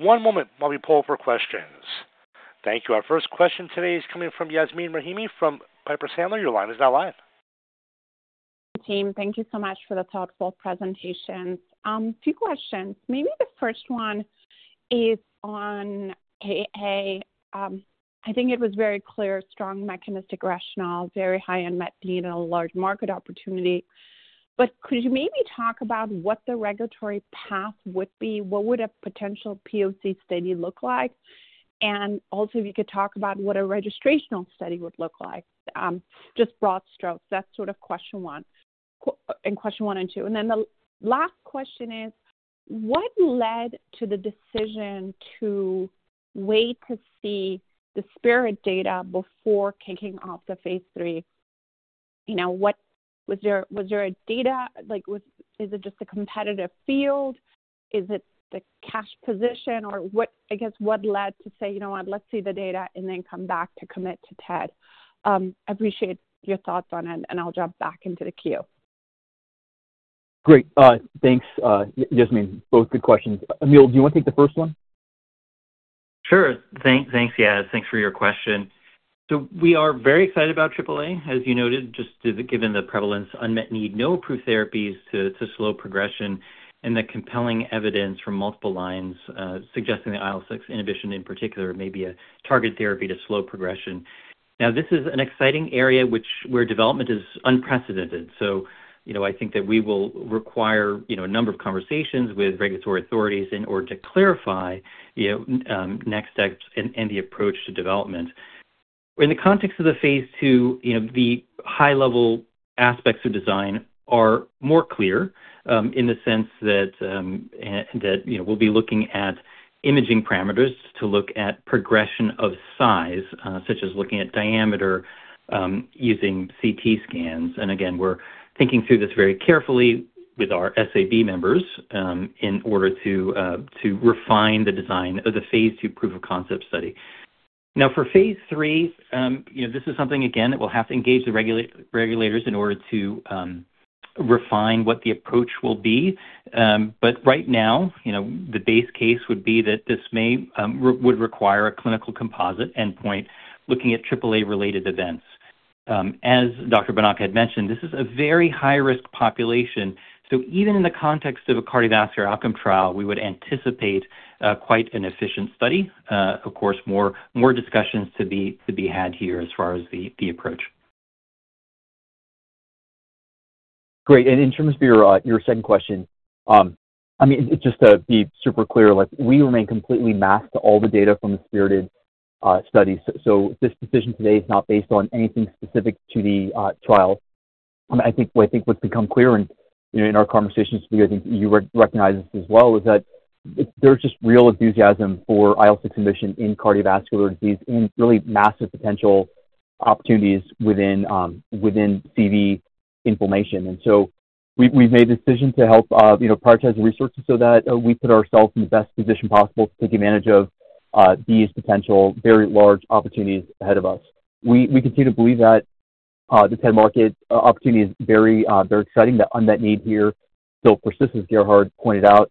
A: One moment while we pull for questions. Thank you. Our first question today is coming from Yasmeen Rahimi from Piper Sandler. Your line is now live.
F: Thank you, team. Thank you so much for the thoughtful presentations. Two questions. The first one, it was very clear, strong mechanistic rationale, very high unmet need and a large market opportunity. But could you maybe talk about what the regulatory path would be? What would a potential POC study look like? If you could talk about what a registrational study would look like, just broad strokes, that sort of question one and question one and two. The last question is, what led to the decision to wait to see the SPIRITED data before kicking off the phase III? Was there data? Is it just a competitive field? Is it the cash position? What led to say, you know what, let's see the data and then come back to commit to TED? I appreciate your thoughts on it, and I'll jump back into the queue.
B: Great. Thanks, Yasmeen. Both good questions. Emil, do you want to take the first one?
D: Sure. Thanks, Yas. Thanks for your question. So we are very excited about AAA, as you noted, just given the prevalence, unmet need, no approved therapies to slow progression, and the compelling evidence from multiple lines suggesting the IL-6 inhibition in particular may be a targeted therapy to slow progression. Now, this is an exciting area where development is unprecedented. That we will require a number of conversations with regulatory authorities in order to clarify next steps and the approach to development. In the context of the phase II, the high-level aspects of design are more clear in the sense that we'll be looking at imaging parameters to look at progression of size, such as looking at diameter using CT scans, and again, we're thinking through this very carefully with our SAB members in order to refine the design of the phase II proof of concept study. Now, for phase III, this is something, again, that will have to engage the regulators in order to refine what the approach will be, but right now, the base case would be that this would require a clinical composite endpoint looking at AAA-related events. As Dr. Bonaca had mentioned, this is a very high-risk population, so even in the context of a cardiovascular outcome trial, we would anticipate quite an efficient study. Of course, more discussions to be had here as far as the approach.
B: In terms of your second question, Just to be super clear, we remain completely masked to all the data from the SPIRITED study. So this decision today is not based on anything specific to the trial. What's become clear in our conversations today, you recognize this as well, is that there's just real enthusiasm for IL-6 inhibition in cardiovascular disease and really massive potential opportunities within CV inflammation. We've made a decision to help prioritize the research so we put ourselves in the best position possible to take advantage of these potential very large opportunities ahead of us. We continue to believe that the TED market opportunity is very exciting. The unmet need here still persists, as Gerhard pointed out.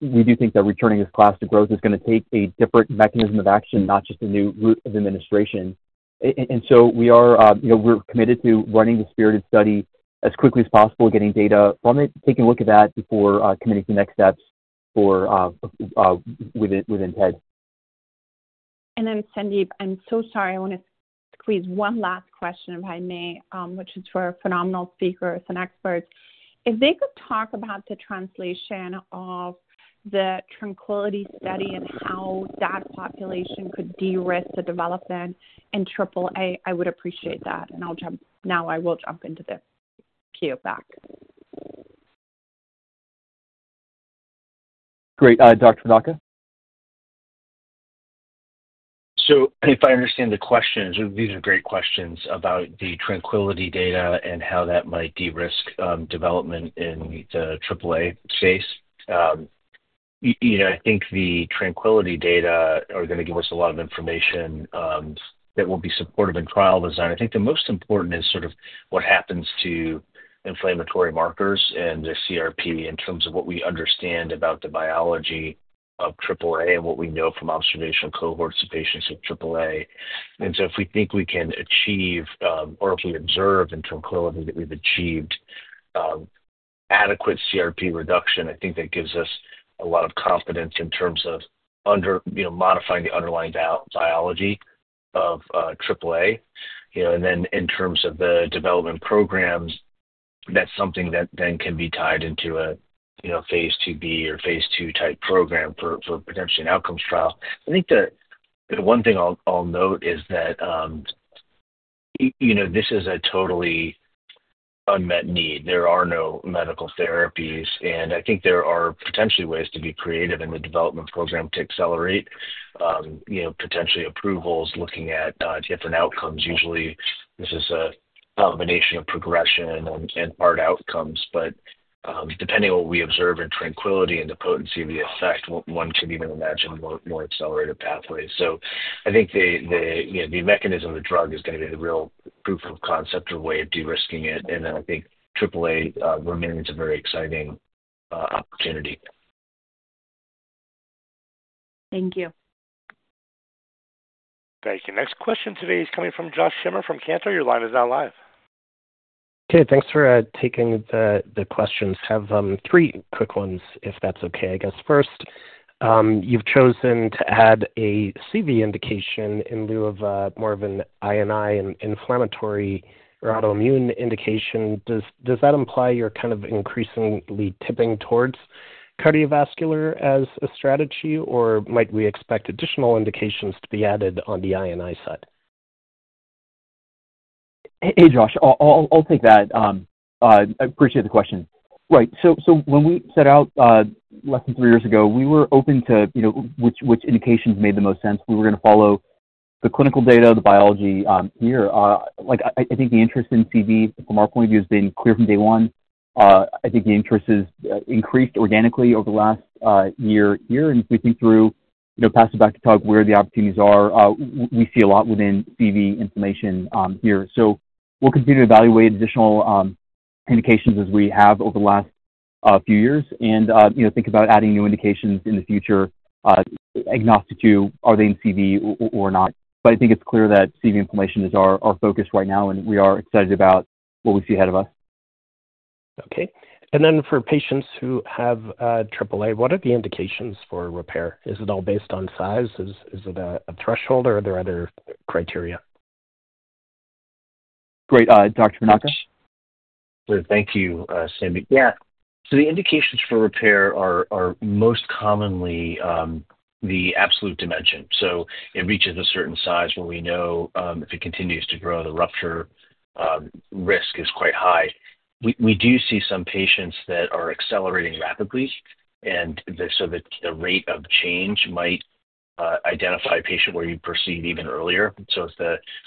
B: We do think that returning this class to growth is going to take a different mechanism of action, not just a new route of administration. We're committed to running the SPIRITED study as quickly as possible, getting data from it, taking a look at that before committing to next steps within TED.
F: Sandeep, I'm so sorry. I want to squeeze one last question, if I may, which is for phenomenal speakers and experts. If they could talk about the translation of the TRANQUILITY study and how that population could de-risk the development in AAA, I would appreciate that. Now I will jump into the queue back.
B: Dr. Bonaca?
C: If I understand the questions, these are great questions about the TRANQUILITY data and how that might de-risk development in the AAA space. The TRANQUILITY data are going to give us a lot of information that will be supportive in trial design. The most important is sort of what happens to inflammatory markers and the CRP in terms of what we understand about the biology of AAA and what we know from observational cohorts of patients of AAA. If we think we can achieve, or if we observe in TRANQUILITY that we've achieved adequate CRP reduction, that gives us a lot of confidence in terms of modifying the underlying biology of AAA, and then in terms of the development programs, that's something that then can be tied into a phase II-b or phase II type program for potentially an outcomes trial. The one thing I'll note is that this is a totally unmet need. There are no medical therapies, and there are potentially ways to be creative in the development program to accelerate potentially approvals looking at different outcomes. Usually, this is a combination of progression and hard outcomes. But depending on what we observe in TRANQUILITY and the potency of the effect, one can even imagine more accelerated pathways. The mechanism of the drug is going to be the real proof of concept or way of de-risking it. AAA remains a very exciting opportunity.
F: Thank you.
A: Thank you. Next question today is coming from Josh Schimmer from Cantor. Your line is now live.
G: Thanks for taking the questions. I have three quick ones, if that's okay. I guess first, you've chosen to add a CV indication in lieu of more of an IND and inflammatory or autoimmune indication. Does that imply you're kind of increasingly tipping towards cardiovascular as a strategy, or might we expect additional indications to be added on the I&I side?
B: Josh. I'll take that. I appreciate the question. When we set out less than three years ago, we were open to which indications made the most sense. We were going to follow the clinical data, the biology here. The interest in CV, from our point of view, has been clear from day one. The interest has increased organically over the last year here. And if we think through, pass it back to Tug, where the opportunities are, we see a lot within CV inflammation here. So we'll continue to evaluate additional indications as we have over the last few years and think about adding new indications in the future, agnostic to are they in CV or not. It's clear that CV inflammation is our focus right now, and we are excited about what we see ahead of us.
G: For patients who have AAA, what are the indications for repair? Is it all based on size? Is it a threshold, or are there other criteria?
B: Great. Dr. Bonaca.
C: Thank you, Sandeep. Yeah. So the indications for repair are most commonly the absolute dimension. So it reaches a certain size where we know if it continues to grow, the rupture risk is quite high. We do see some patients that are accelerating rapidly, the rate of change might identify a patient where you perceive even earlier. So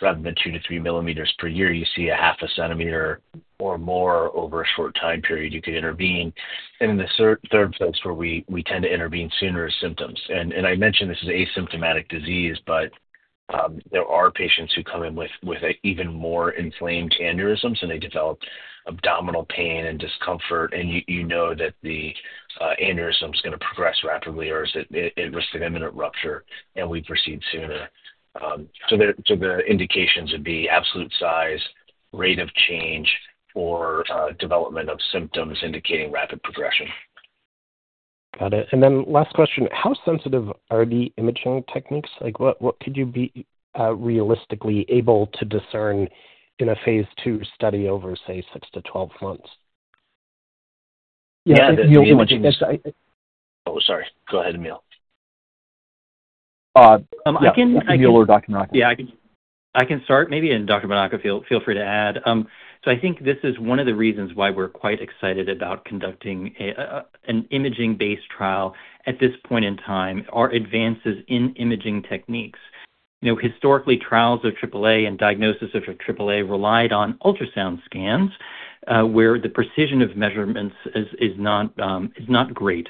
C: rather than two to 3mm per year, you see a half a centimeter or more over a short time period, you could intervene. The third place where we tend to intervene sooner is symptoms. And I mentioned this is asymptomatic disease, but there are patients who come in with even more inflamed aneurysms, and they develop abdominal pain and discomfort, and you know that the aneurysm is going to progress rapidly or is at risk of imminent rupture, and we proceed sooner. So the indications would be absolute size, rate of change, or development of symptoms indicating rapid progression.
G: Got it. Last question, how sensitive are the imaging techniques? What could you be realistically able to discern in a phase II study over, say, six to 12 months?
C: Sorry. Go ahead, Emil.
D: I can start maybe, and Dr. Bonaca, feel free to add. This is one of the reasons why we're quite excited about conducting an imaging-based trial at this point in time, our advances in imaging techniques. Historically, trials of AAA and diagnosis of AAA relied on ultrasound scans where the precision of measurements is not great.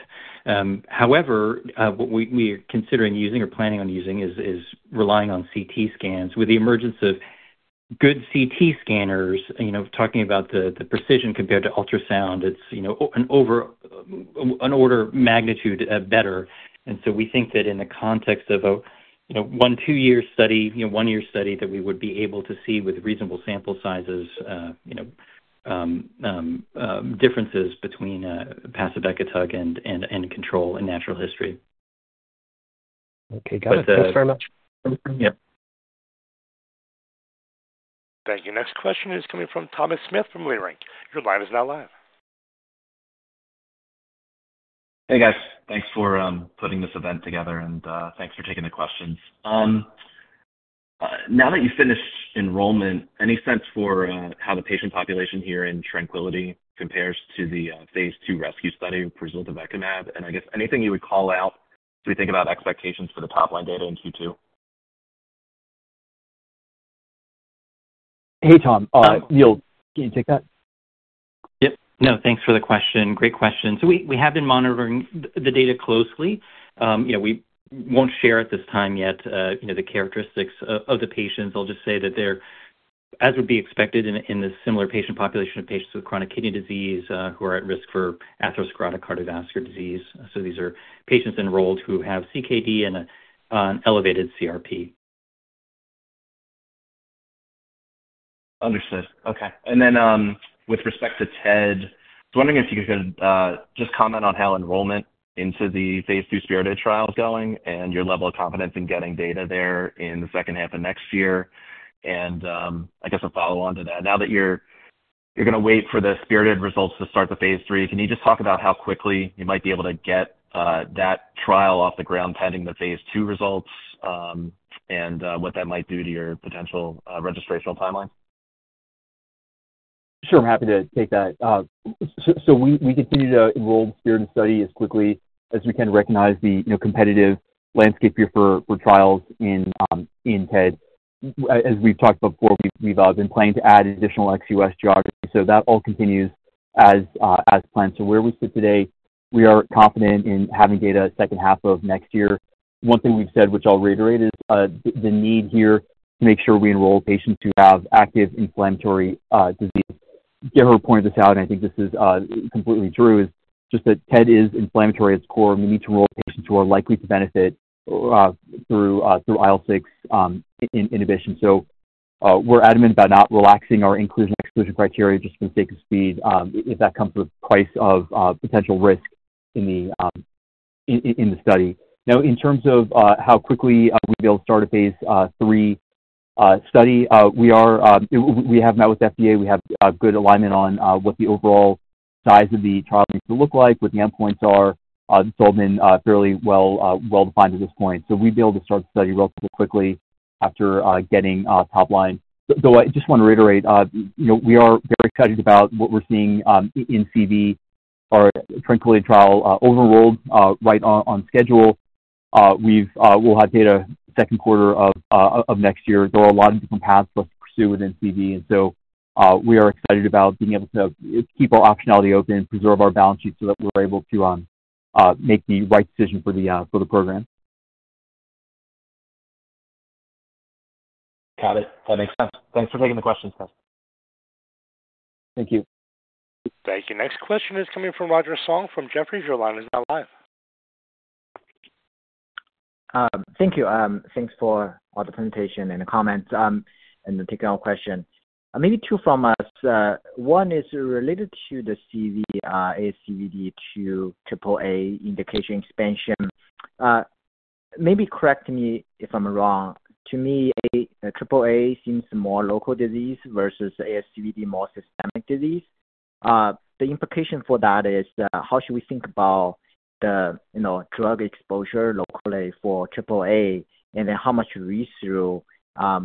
D: However, what we are considering using or planning on using is relying on CT scans. With the emergence of good CT scanners, talking about the precision compared to ultrasound, it's an order of magnitude better. We think that in the context of a one- to two-year study, one-year study that we would be able to see with reasonable sample sizes, differences between pacibartug and control in natural history.
G: Got it. Thanks very much.
A: Thank you. Next question is coming from Thomas Smith from Leerink. Your line is now live.
H: Hey, guys. Thanks for putting this event together, and thanks for taking the questions. Now that you finished enrollment, any sense for how the patient population here in TRANQUILITY compares to the phase II RESCUE study of ziltivecumab? Anything you would call out as we think about expectations for the top line data in Q2?
D: Thanks for the question. Great question. We have been monitoring the data closely. We won't share at this time yet the characteristics of the patients. I'll just say that they're, as would be expected in the similar patient population of patients with chronic kidney disease who are at risk for atherosclerotic cardiovascular disease. These are patients enrolled who have CKD and an elevated CRP.
H: Understood. With respect to TED, I was wondering if you could just comment on how enrollment into the phase II SPIRITED trial is going and your level of confidence in getting data there in the second half of next year. I guess a follow-on to that, now that you're going to wait for the SPIRITED results to start the phase III, can you just talk about how quickly you might be able to get that trial off the ground pending the phase II results and what that might do to your potential registration timeline?
E: I'm happy to take that. We continue to enroll the SPIRITED study as quickly as we can recognize the competitive landscape here for trials in TED. As we've talked about before, we've been planning to add additional ex-US geography. That all continues as planned. Where we sit today, we are confident in having data second half of next year. One thing we've said, which I'll reiterate, is the need here to make sure we enroll patients who have active inflammatory disease.
B: Gerhard pointed this out, This is completely true. It is just that TED is inflammatory at its core. We need to enroll patients who are likely to benefit through IL-6 inhibition. We're adamant about not relaxing our inclusion and exclusion criteria just for the sake of speed if that comes with the price of potential risk in the study. Now, in terms of how quickly we'll be able to start a phase III study, we have met with the FDA. We have good alignment on what the overall size of the trial needs to look like, what the endpoints are. It's all been fairly well-defined at this point. We'll be able to start the study relatively quickly after getting top-line. Though I just want to reiterate, we are very excited about what we're seeing in CV. Our TRANQUILITY trial enrolled right on schedule. We'll have data second quarter of next year. There are a lot of different paths for us to pursue within CV, we are excited about being able to keep our optionality open and preserve our balance sheet so we're able to make the right decision for the program.
H: Got it. That makes sense. Thanks for taking the questions, guys.
A: Thank you. Next question is coming from Roger Song from Jefferies. Your line is now live.
I: Thank you. Thanks for all the presentation and the comments and the technical question. Maybe two from us. One is related to the CV, ASCVD to AAA indication expansion. Correct me if I'm wrong. To me, AAA seems more local disease versus ASCVD, more systemic disease. The implication for that is how should we think about the drug exposure locally for AAA and then how much rescue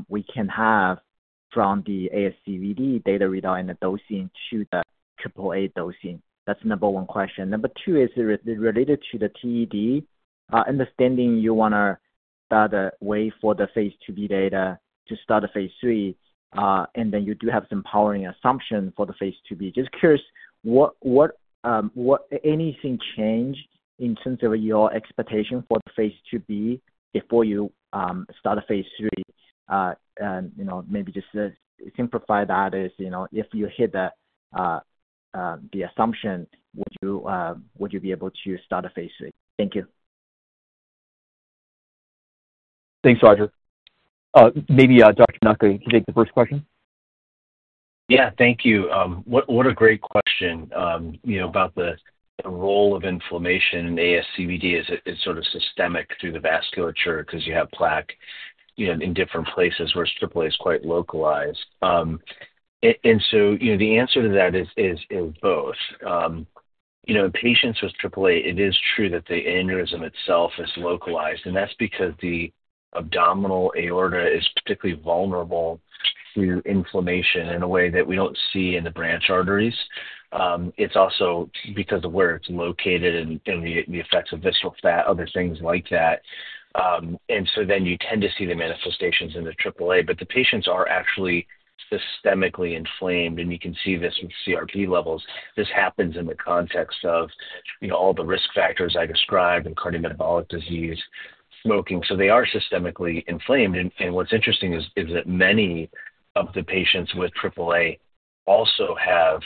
I: we can have from the ASCVD data readout and the dosing to the AAA dosing. That's number one question. Number two is related to the TED. Understanding you want to start a way for the phase II-b data to start a phase III, and then you do have some powering assumption for the phase II-b. Just curious, anything changed in terms of your expectation for the phase II-b before you start a phase III? And maybe just simplify that as if you hit the assumption, would you be able to start a phase III? Thank you.
B: Thanks, Roger. Maybe Dr. Bonaca, you can take the first question?
C: Thank you. What a great question about the role of inflammation in ASCVD as it is sort of systemic through the vasculature because you have plaque in different places where AAA is quite localized, the answer to that is both. In patients with AAA, it is true that the aneurysm itself is localized, and that's because the abdominal aorta is particularly vulnerable to inflammation in a way that we don't see in the branch arteries. It's also because of where it's located and the effects of visceral fat, other things like that, you tend to see the manifestations in the AAA, but the patients are actually systemically inflamed, and you can see this with CRP levels. This happens in the context of all the risk factors I described and cardiometabolic disease, smoking, so they are systemically inflamed. What's interesting is that many of the patients with AAA also have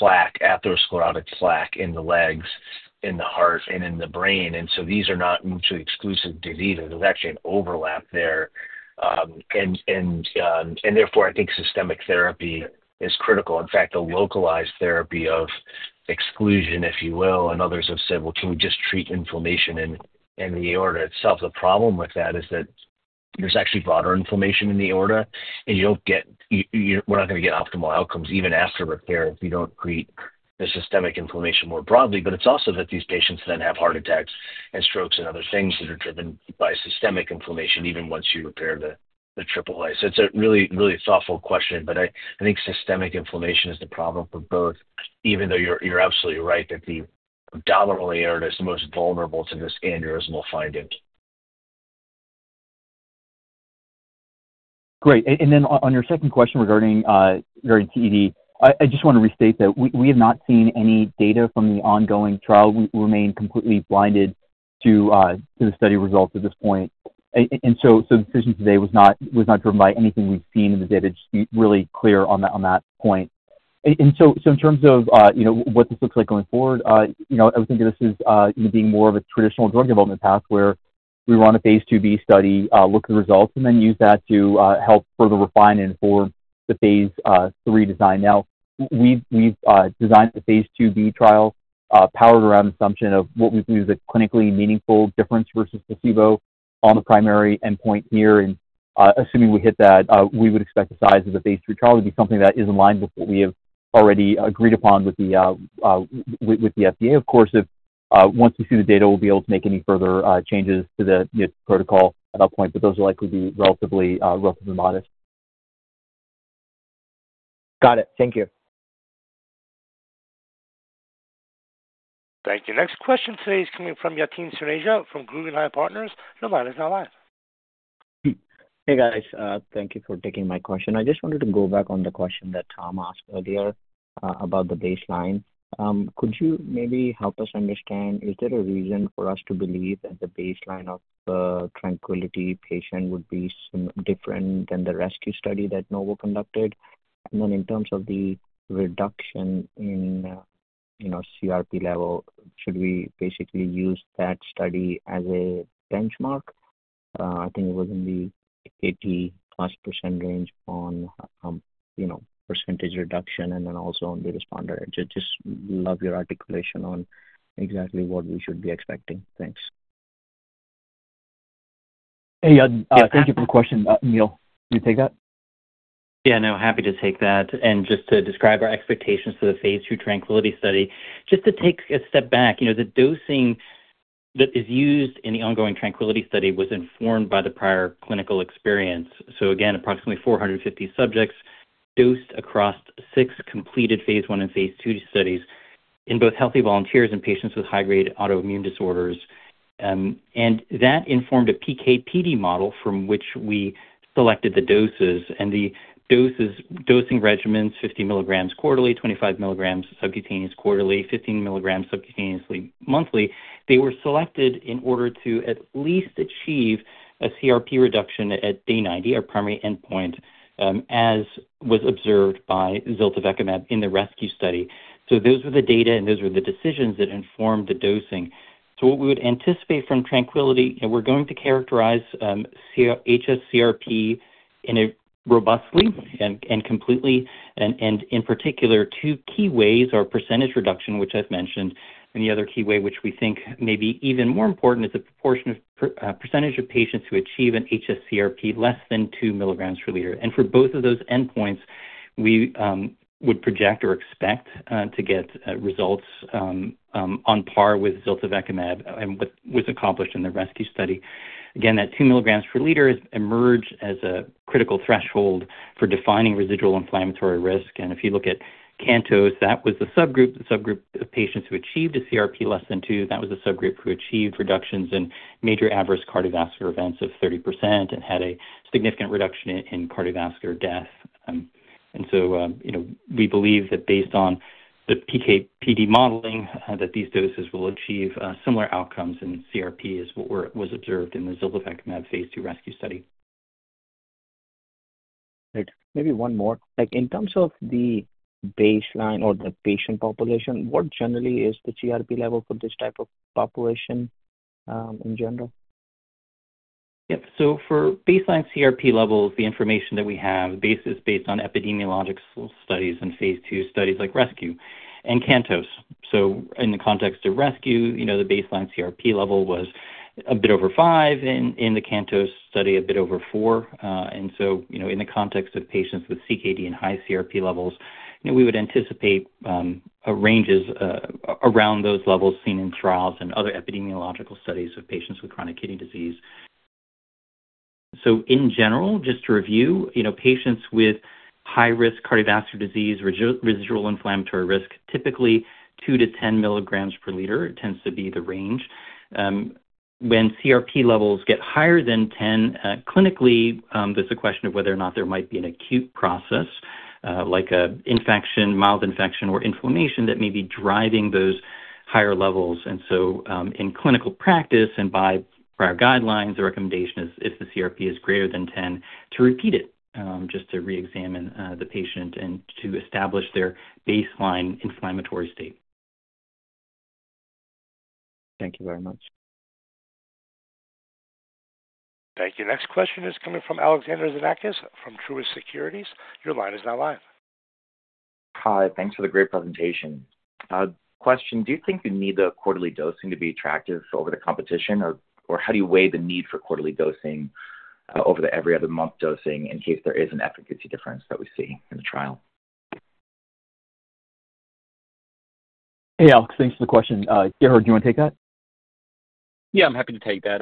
C: atherosclerotic plaque in the legs, in the heart, and in the brain. These are not mutually exclusive diseases. There's actually an overlap there. Therefore, Systemic therapy is critical. In fact, the localized therapy of exclusion, if you will, and others have said, "Well, can we just treat inflammation in the aorta itself?" The problem with that is that there's actually broader inflammation in the aorta, and you don't get. We're not going to get optimal outcomes even after repair if you don't treat the systemic inflammation more broadly. It's also that these patients then have heart attacks and strokes and other things that are driven by systemic inflammation even once you repair the AAA. It's a really, really thoughtful question, Systemic inflammation is the problem for both, even though you're absolutely right that the abdominal aorta is the most vulnerable to this aneurysmal finding.
B: On your second question regarding TED, I just want to restate that we have not seen any data from the ongoing trial. We remain completely blinded to the study results at this point. The decision today was not driven by anything we've seen in the data. Just be really clear on that point. In terms of what this looks like going forward, I would think of this as being more of a traditional drug development path where we run a phase II-b study, look at the results, and then use that to help further refine and inform the phase III design. Now, we've designed the phase II-b trial powered around the assumption of what we believe is a clinically meaningful difference versus placebo on the primary endpoint here. And assuming we hit that, we would expect the size of the phase III trial to be something that is in line with what we have already agreed upon with the FDA. Of course, once we see the data, we'll be able to make any further changes to the protocol at that point, but those will likely be relatively modest.
I: Got it. Thank you.
A: Thank you. Next question today is coming from Yatin Suneja from Guggenheim Partners. Your line is now live.
J: Thank you for taking my question. I just wanted to go back on the question that Tom asked earlier about the baseline. Could you maybe help us understand, is there a reason for us to believe that the baseline of TRANQUILITY patient would be different than the RESCUE study that Novo conducted? And then in terms of the reduction in CRP level, should we basically use that study as a benchmark? It was in the 80%+ range on percentage reduction and then also on the responder. I just love your articulation on exactly what we should be expecting. Thanks.
B: Thank you for the question. Emil, you take that.
D: Happy to take that. And just to describe our expectations for the phase II TRANQUILITY study, just to take a step back, the dosing that is used in the ongoing TRANQUILITY study was informed by the prior clinical experience. Approximately 450 subjects dosed across six completed phase I and phase II studies in both healthy volunteers and patients with high-grade autoimmune disorders. That informed a PK/PD model from which we selected the doses. The dosing regimens, 50mg quarterly, 25mg subcutaneous quarterly, 15mg subcutaneously monthly, they were selected in order to at least achieve a hsCRP reduction at day 90, our primary endpoint, as was observed by ziltivecumab in the RESCUE study.
A: Those were the data, and those were the decisions that informed the dosing. What we would anticipate from Tranquility, we're going to characterize hsCRP robustly and completely. In particular, two key ways are percentage reduction, which I've mentioned, and the other key way, which we think may be even more important, is the percentage of patients who achieve an hsCRP less than 2mg per liter.
C: For both of those endpoints, we would project or expect to get results on par with ziltivecumab and what was accomplished in the RESCUE study. That 2mg per liter emerged as a critical threshold for defining residual inflammatory risk. And if you look at CANTOS, that was the subgroup of patients who achieved a CRP less than two. That was the subgroup who achieved reductions in major adverse cardiovascular events of 30% and had a significant reduction in cardiovascular death. We believe that based on the PK/PD modeling, that these doses will achieve similar outcomes in CRP as what was observed in the ziltivecumab phase II RESCUE study.
J: Great. Maybe one more. In terms of the baseline or the patient population, what generally is the CRP level for this type of population in general?
D: For baseline CRP levels, the information that we have is based on epidemiologic studies and phase II studies like RESCUE and CANTOS. I the context of RESCUE, the baseline CRP level was a bit over five. In the CANTOS study, a bit over four. In the context of patients with CKD and high CRP levels, we would anticipate ranges around those levels seen in trials and other epidemiological studies of patients with chronic kidney disease. In general, just to review, patients with high-risk cardiovascular disease, residual inflammatory risk, typically two to 10mg per liter tends to be the range. When CRP levels get higher than 10, clinically, there's a question of whether or not there might be an acute process like an infection, mild infection, or inflammation that may be driving those higher levels. In clinical practice and by prior guidelines, the recommendation is if the CRP is greater than 10, to repeat it just to re-examine the patient and to establish their baseline inflammatory state.
J: Thank you very much.
A: Thank you. Next question is coming from Srikripa Devarakonda from Truist Securities. Your line is now live.
C: Thanks for the great presentation. Question, do you think the need the quarterly dosing to be attractive over the competition, or how do you weigh the need for quarterly dosing over the every-other-month dosing in case there is an efficacy difference that we see in the trial?
B: Srikripa, thanks for the question. Gerhard, do you want to take that?
E: Yeah, I'm happy to take that.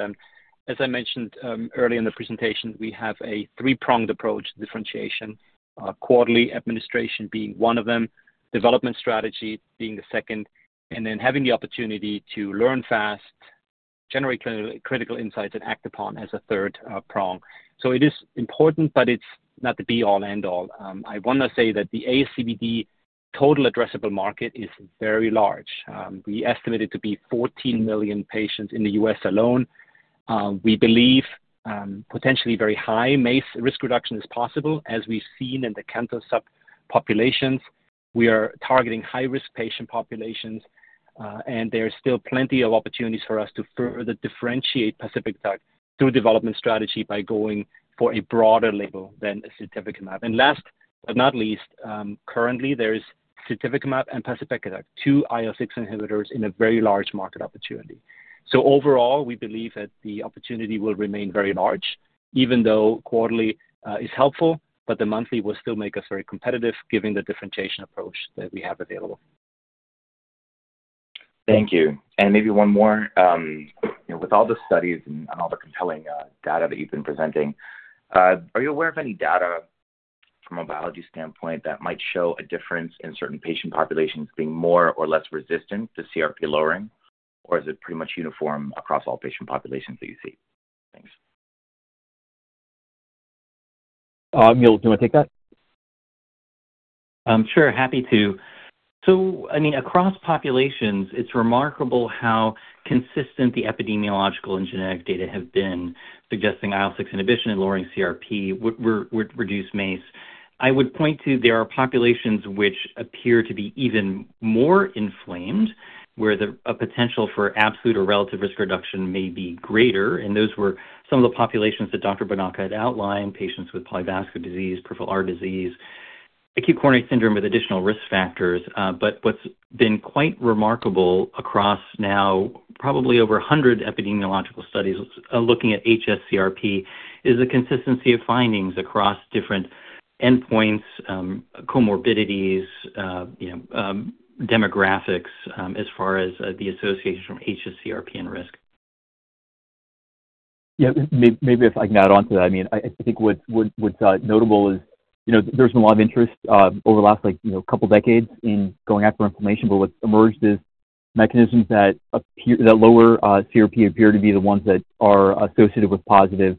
E: As I mentioned earlier in the presentation, we have a three-pronged approach to differentiation, quarterly administration being one of them, development strategy being the second, and then having the opportunity to learn fast, generate critical insights, and act upon as a third prong. It is important, but it's not the be-all, end-all. I want to say that the ASCVD total addressable market is very large. We estimate it to be 14 million patients in the U.S. alone. We believe potentially very high risk reduction is possible as we've seen in the CANTOS subpopulations. We are targeting high-risk patient populations, and there are still plenty of opportunities for us to further differentiate pacibartug through development strategy by going for a broader label than ziltivecumab. Last but not least, currently, there is ziltivecumab and pacibartug, two IL-6 inhibitors in a very large market opportunity. Overall, we believe that the opportunity will remain very large, even though quarterly is helpful, but the monthly will still make us very competitive given the differentiation approach that we have available.
K: Thank you. Maybe one more. With all the studies and all the compelling data that you've been presenting, are you aware of any data from a biology standpoint that might show a difference in certain patient populations being more or less resistant to CRP lowering, or is it pretty much uniform across all patient populations that you see? Thanks.
B: Emil, do you want to take that?
D: Sure. Happy to. Across populations, it's remarkable how consistent the epidemiological and genetic data have been suggesting IL-6 inhibition and lowering CRP would reduce MACE. I would point to there are populations which appear to be even more inflamed where a potential for absolute or relative risk reduction may be greater. Those were some of the populations that Dr. Bonaca had outlined, patients with polyvascular disease, peripheral artery disease, acute coronary syndrome with additional risk factors. What's been quite remarkable across now probably over 100 epidemiological studies looking at hsCRP is the consistency of findings across different endpoints, comorbidities, demographics as far as the association from hsCRP and risk.
C: If I can add on to that, What's notable is there's been a lot of interest over the last couple of decades in going after inflammation, but what's emerged is mechanisms that lower CRP appear to be the ones that are associated with positive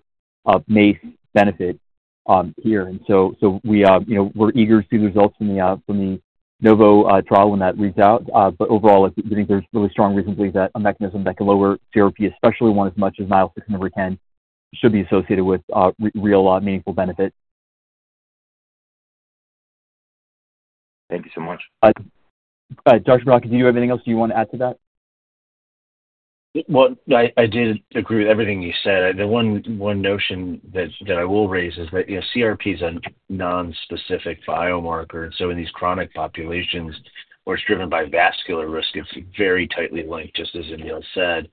C: MACE benefit here. We're eager to see the results from the Novo trial when that reads out. Overall, there's really strong reason to believe that a mechanism that can lower CRP, especially one as much as an IL-6 number 10, should be associated with real meaningful benefit.
B: Thank you so much. Dr. Bonaca, did you have anything else you want to add to that?
C: I did agree with everything you said. The one notion that I will raise is that CRP is a non-specific biomarker. In these chronic populations, where it's driven by vascular risk, it's very tightly linked, just as Emil said.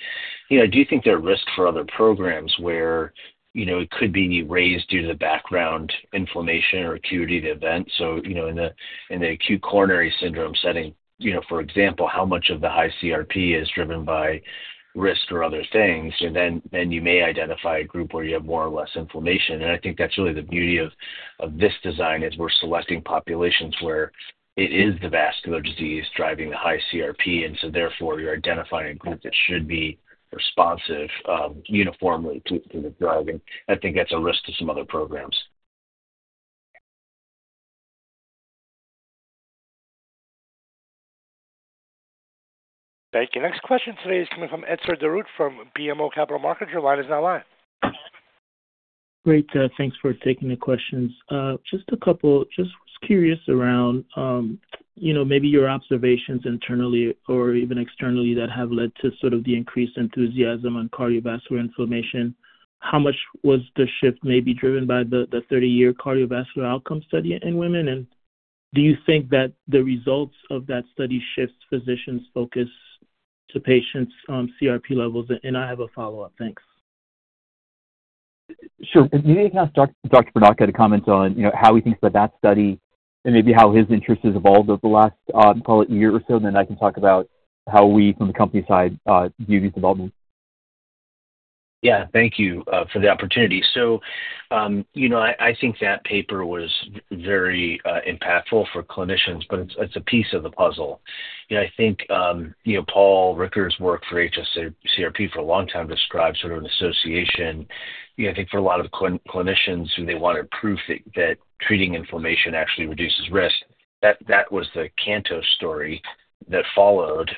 C: Do you think there are risks for other programs where it could be raised due to the background inflammation or acuity of the event? In the acute coronary syndrome setting, for example, how much of the high CRP is driven by risk or other things, then you may identify a group where you have more or less inflammation. That's really the beauty of this design is we're selecting populations where it is the vascular disease driving the high CRP, therefore you're identifying a group that should be responsive uniformly to the driving. That's a risk to some other programs.
A: Thank you. Next question today is coming from Etzer Darout from BMO Capital Markets. Your line is now live.
L: Thanks for taking the questions. Just a couple just was curious around maybe your observations internally or even externally that have led to sort of the increased enthusiasm on cardiovascular inflammation. How much was the shift maybe driven by the 30-year cardiovascular outcome study in women? Do you think that the results of that study shifts physicians' focus to patients' CRP levels? I have a follow-up. Thanks.
B: You can ask Dr. Bonaca to comment on how he thinks about that study and maybe how his interest has evolved over the last, call it, year or so, I can talk about how we from the company side view these developments.
C: Thank you for the opportunity. That paper was very impactful for clinicians, but it's a piece of the puzzle. Paul Ridker's work for hsCRP for a long time described sort of an association. For a lot of clinicians who they want to prove that treating inflammation actually reduces risk, that was the CANTOS story that followed.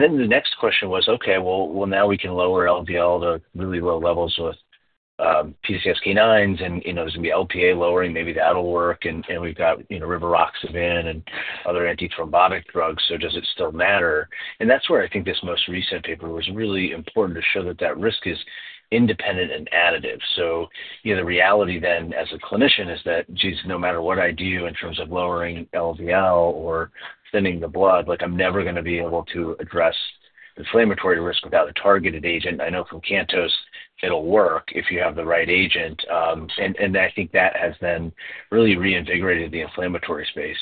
C: The next question was, "Okay, well, now we can lower LDL to really low levels with PCSK9s, and there's going to be Lp(a) lowering. Maybe that'll work." We've got rivaroxaban and other anti-thrombotic drugs, so does it still matter? That's where This most recent paper was really important to show that that risk is independent and additive. The reality then as a clinician is that, geez, no matter what I do in terms of lowering LDL or thinning the blood, I'm never going to be able to address inflammatory risk without a targeted agent. I know from CANTOS it'll work if you have the right agent. That has then really reinvigorated the inflammatory space.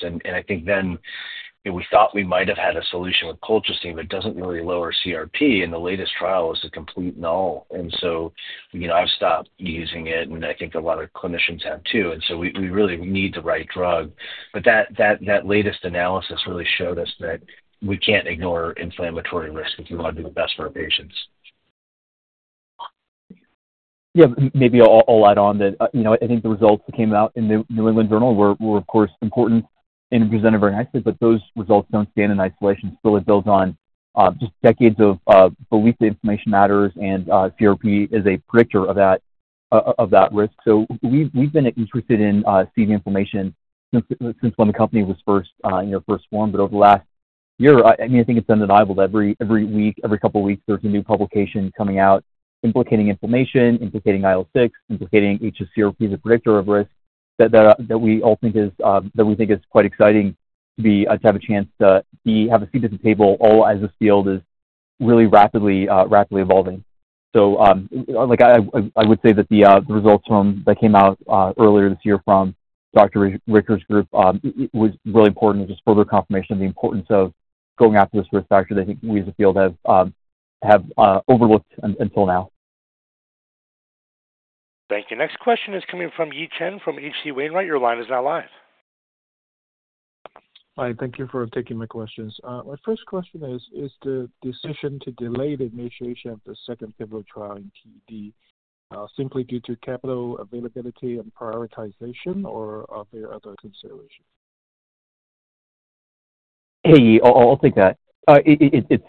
C: We thought we might have had a solution with colchicine, but it doesn't really lower CRP, and the latest trial was a complete null. I've stopped using it, and a lot of clinicians have too. We really need the right drug. That latest analysis really showed us that we can't ignore inflammatory risk if we want to do the best for our patients.
B: I'll add on that The results that came out in the New England Journal were, of course, important and presented very nicely, but those results don't stand in isolation. It builds on just decades of belief that inflammation matters, and CRP is a predictor of that risk. We've been interested in seeing inflammation since when the company was first formed. Over the last year, It's undeniable that every week, every couple of weeks, there's a new publication coming out implicating inflammation, implicating IL-6, implicating hsCRP as a predictor of risk that we all think is quite exciting to have a chance to have a seat at the table all as this field is really rapidly evolving. I would say that the results that came out earlier this year from Dr. Ridker's group was really important as just further confirmation of the importance of going after this risk factor that we as a field have overlooked until now.
A: Thank you. Next question is coming from Yi Chen from H.C. Wainwright. Your line is now live.
M: Thank you for taking my questions. My first question is, is the decision to delay the initiation of the second pivotal trial in TED simply due to capital availability and prioritization, or are there other considerations?
B: I'll take that. It's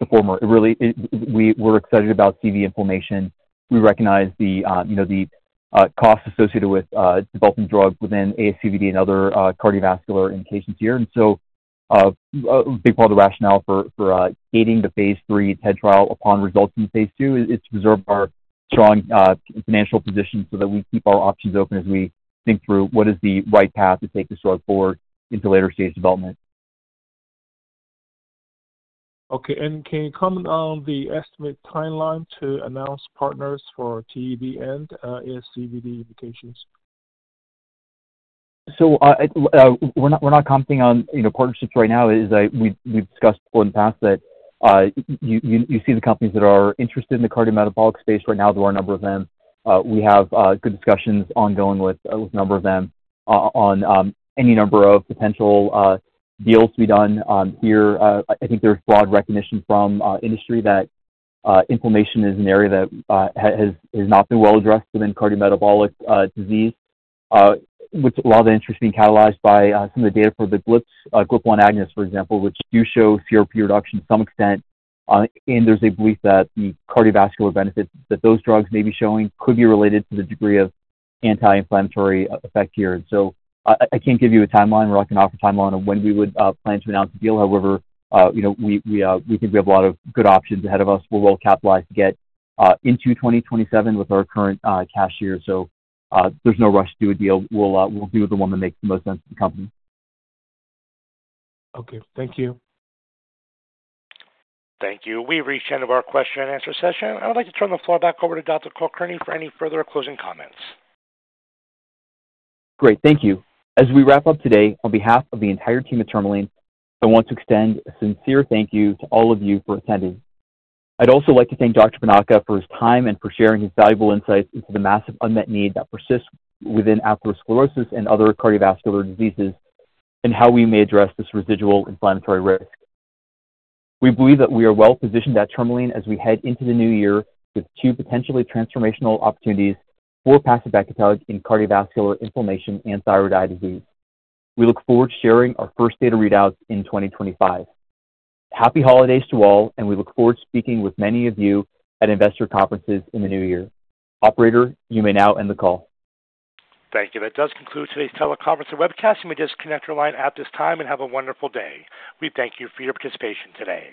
B: the former. Really, we're excited about CV inflammation. We recognize the cost associated with developing drugs within ASCVD and other cardiovascular indications here. A big part of the rationale for gating the phase III TED trial upon results in phase II is to preserve our strong financial position so that we keep our options open as we think through what is the right path to take this drug forward into later stage development. Okay. And can you comment on the estimated timeline to announce partners for TED and ASCVD indications? We're not commenting on partnerships right now. We've discussed in the past that you see the companies that are interested in the cardiometabolic space right now. There are a number of them. We have good discussions ongoing with a number of them on any number of potential deals to be done here. There's broad recognition from industry that inflammation is an area that has not been well addressed within cardiometabolic disease, with a lot of interest being catalyzed by some of the data for the GLP-1 agonists, for example, which do show CRP reduction to some extent. There's a belief that the cardiovascular benefits that those drugs may be showing could be related to the degree of anti-inflammatory effect here. I can't give you a timeline or I can offer a timeline on when we would plan to announce a deal. However, we think we have a lot of good options ahead of us. We're well-capitalized to get into 2027 with our current cash here. There's no rush to do a deal. We'll do the one that makes the most sense to the company.
A: Okay. Thank you. Thank you. We've reached the end of our question-and-answer session. I would like to turn the floor back over to Dr. Kulkarni for any further closing comments.
B: Great. Thank you. As we wrap up today, on behalf of the entire team at Tourmaline, I want to extend a sincere thank you to all of you for attending. I'd also like to thank Dr. Bonaca for his time and for sharing his valuable insights into the massive unmet need that persists within atherosclerosis and other cardiovascular diseases and how we may address this residual inflammatory risk. We believe that we are well-positioned at Tourmaline as we head into the new year with two potentially transformational opportunities for pacibartug in cardiovascular inflammation and thyroid eye disease. We look forward to sharing our first data readouts in 2025. Happy holidays to all, and we look forward to speaking with many of you at investor conferences in the new year. Operator, you may now end the call.
A: Thank you. That does conclude today's teleconference and webcast, and we disconnect your line at this time and have a wonderful day. We thank you for your participation today.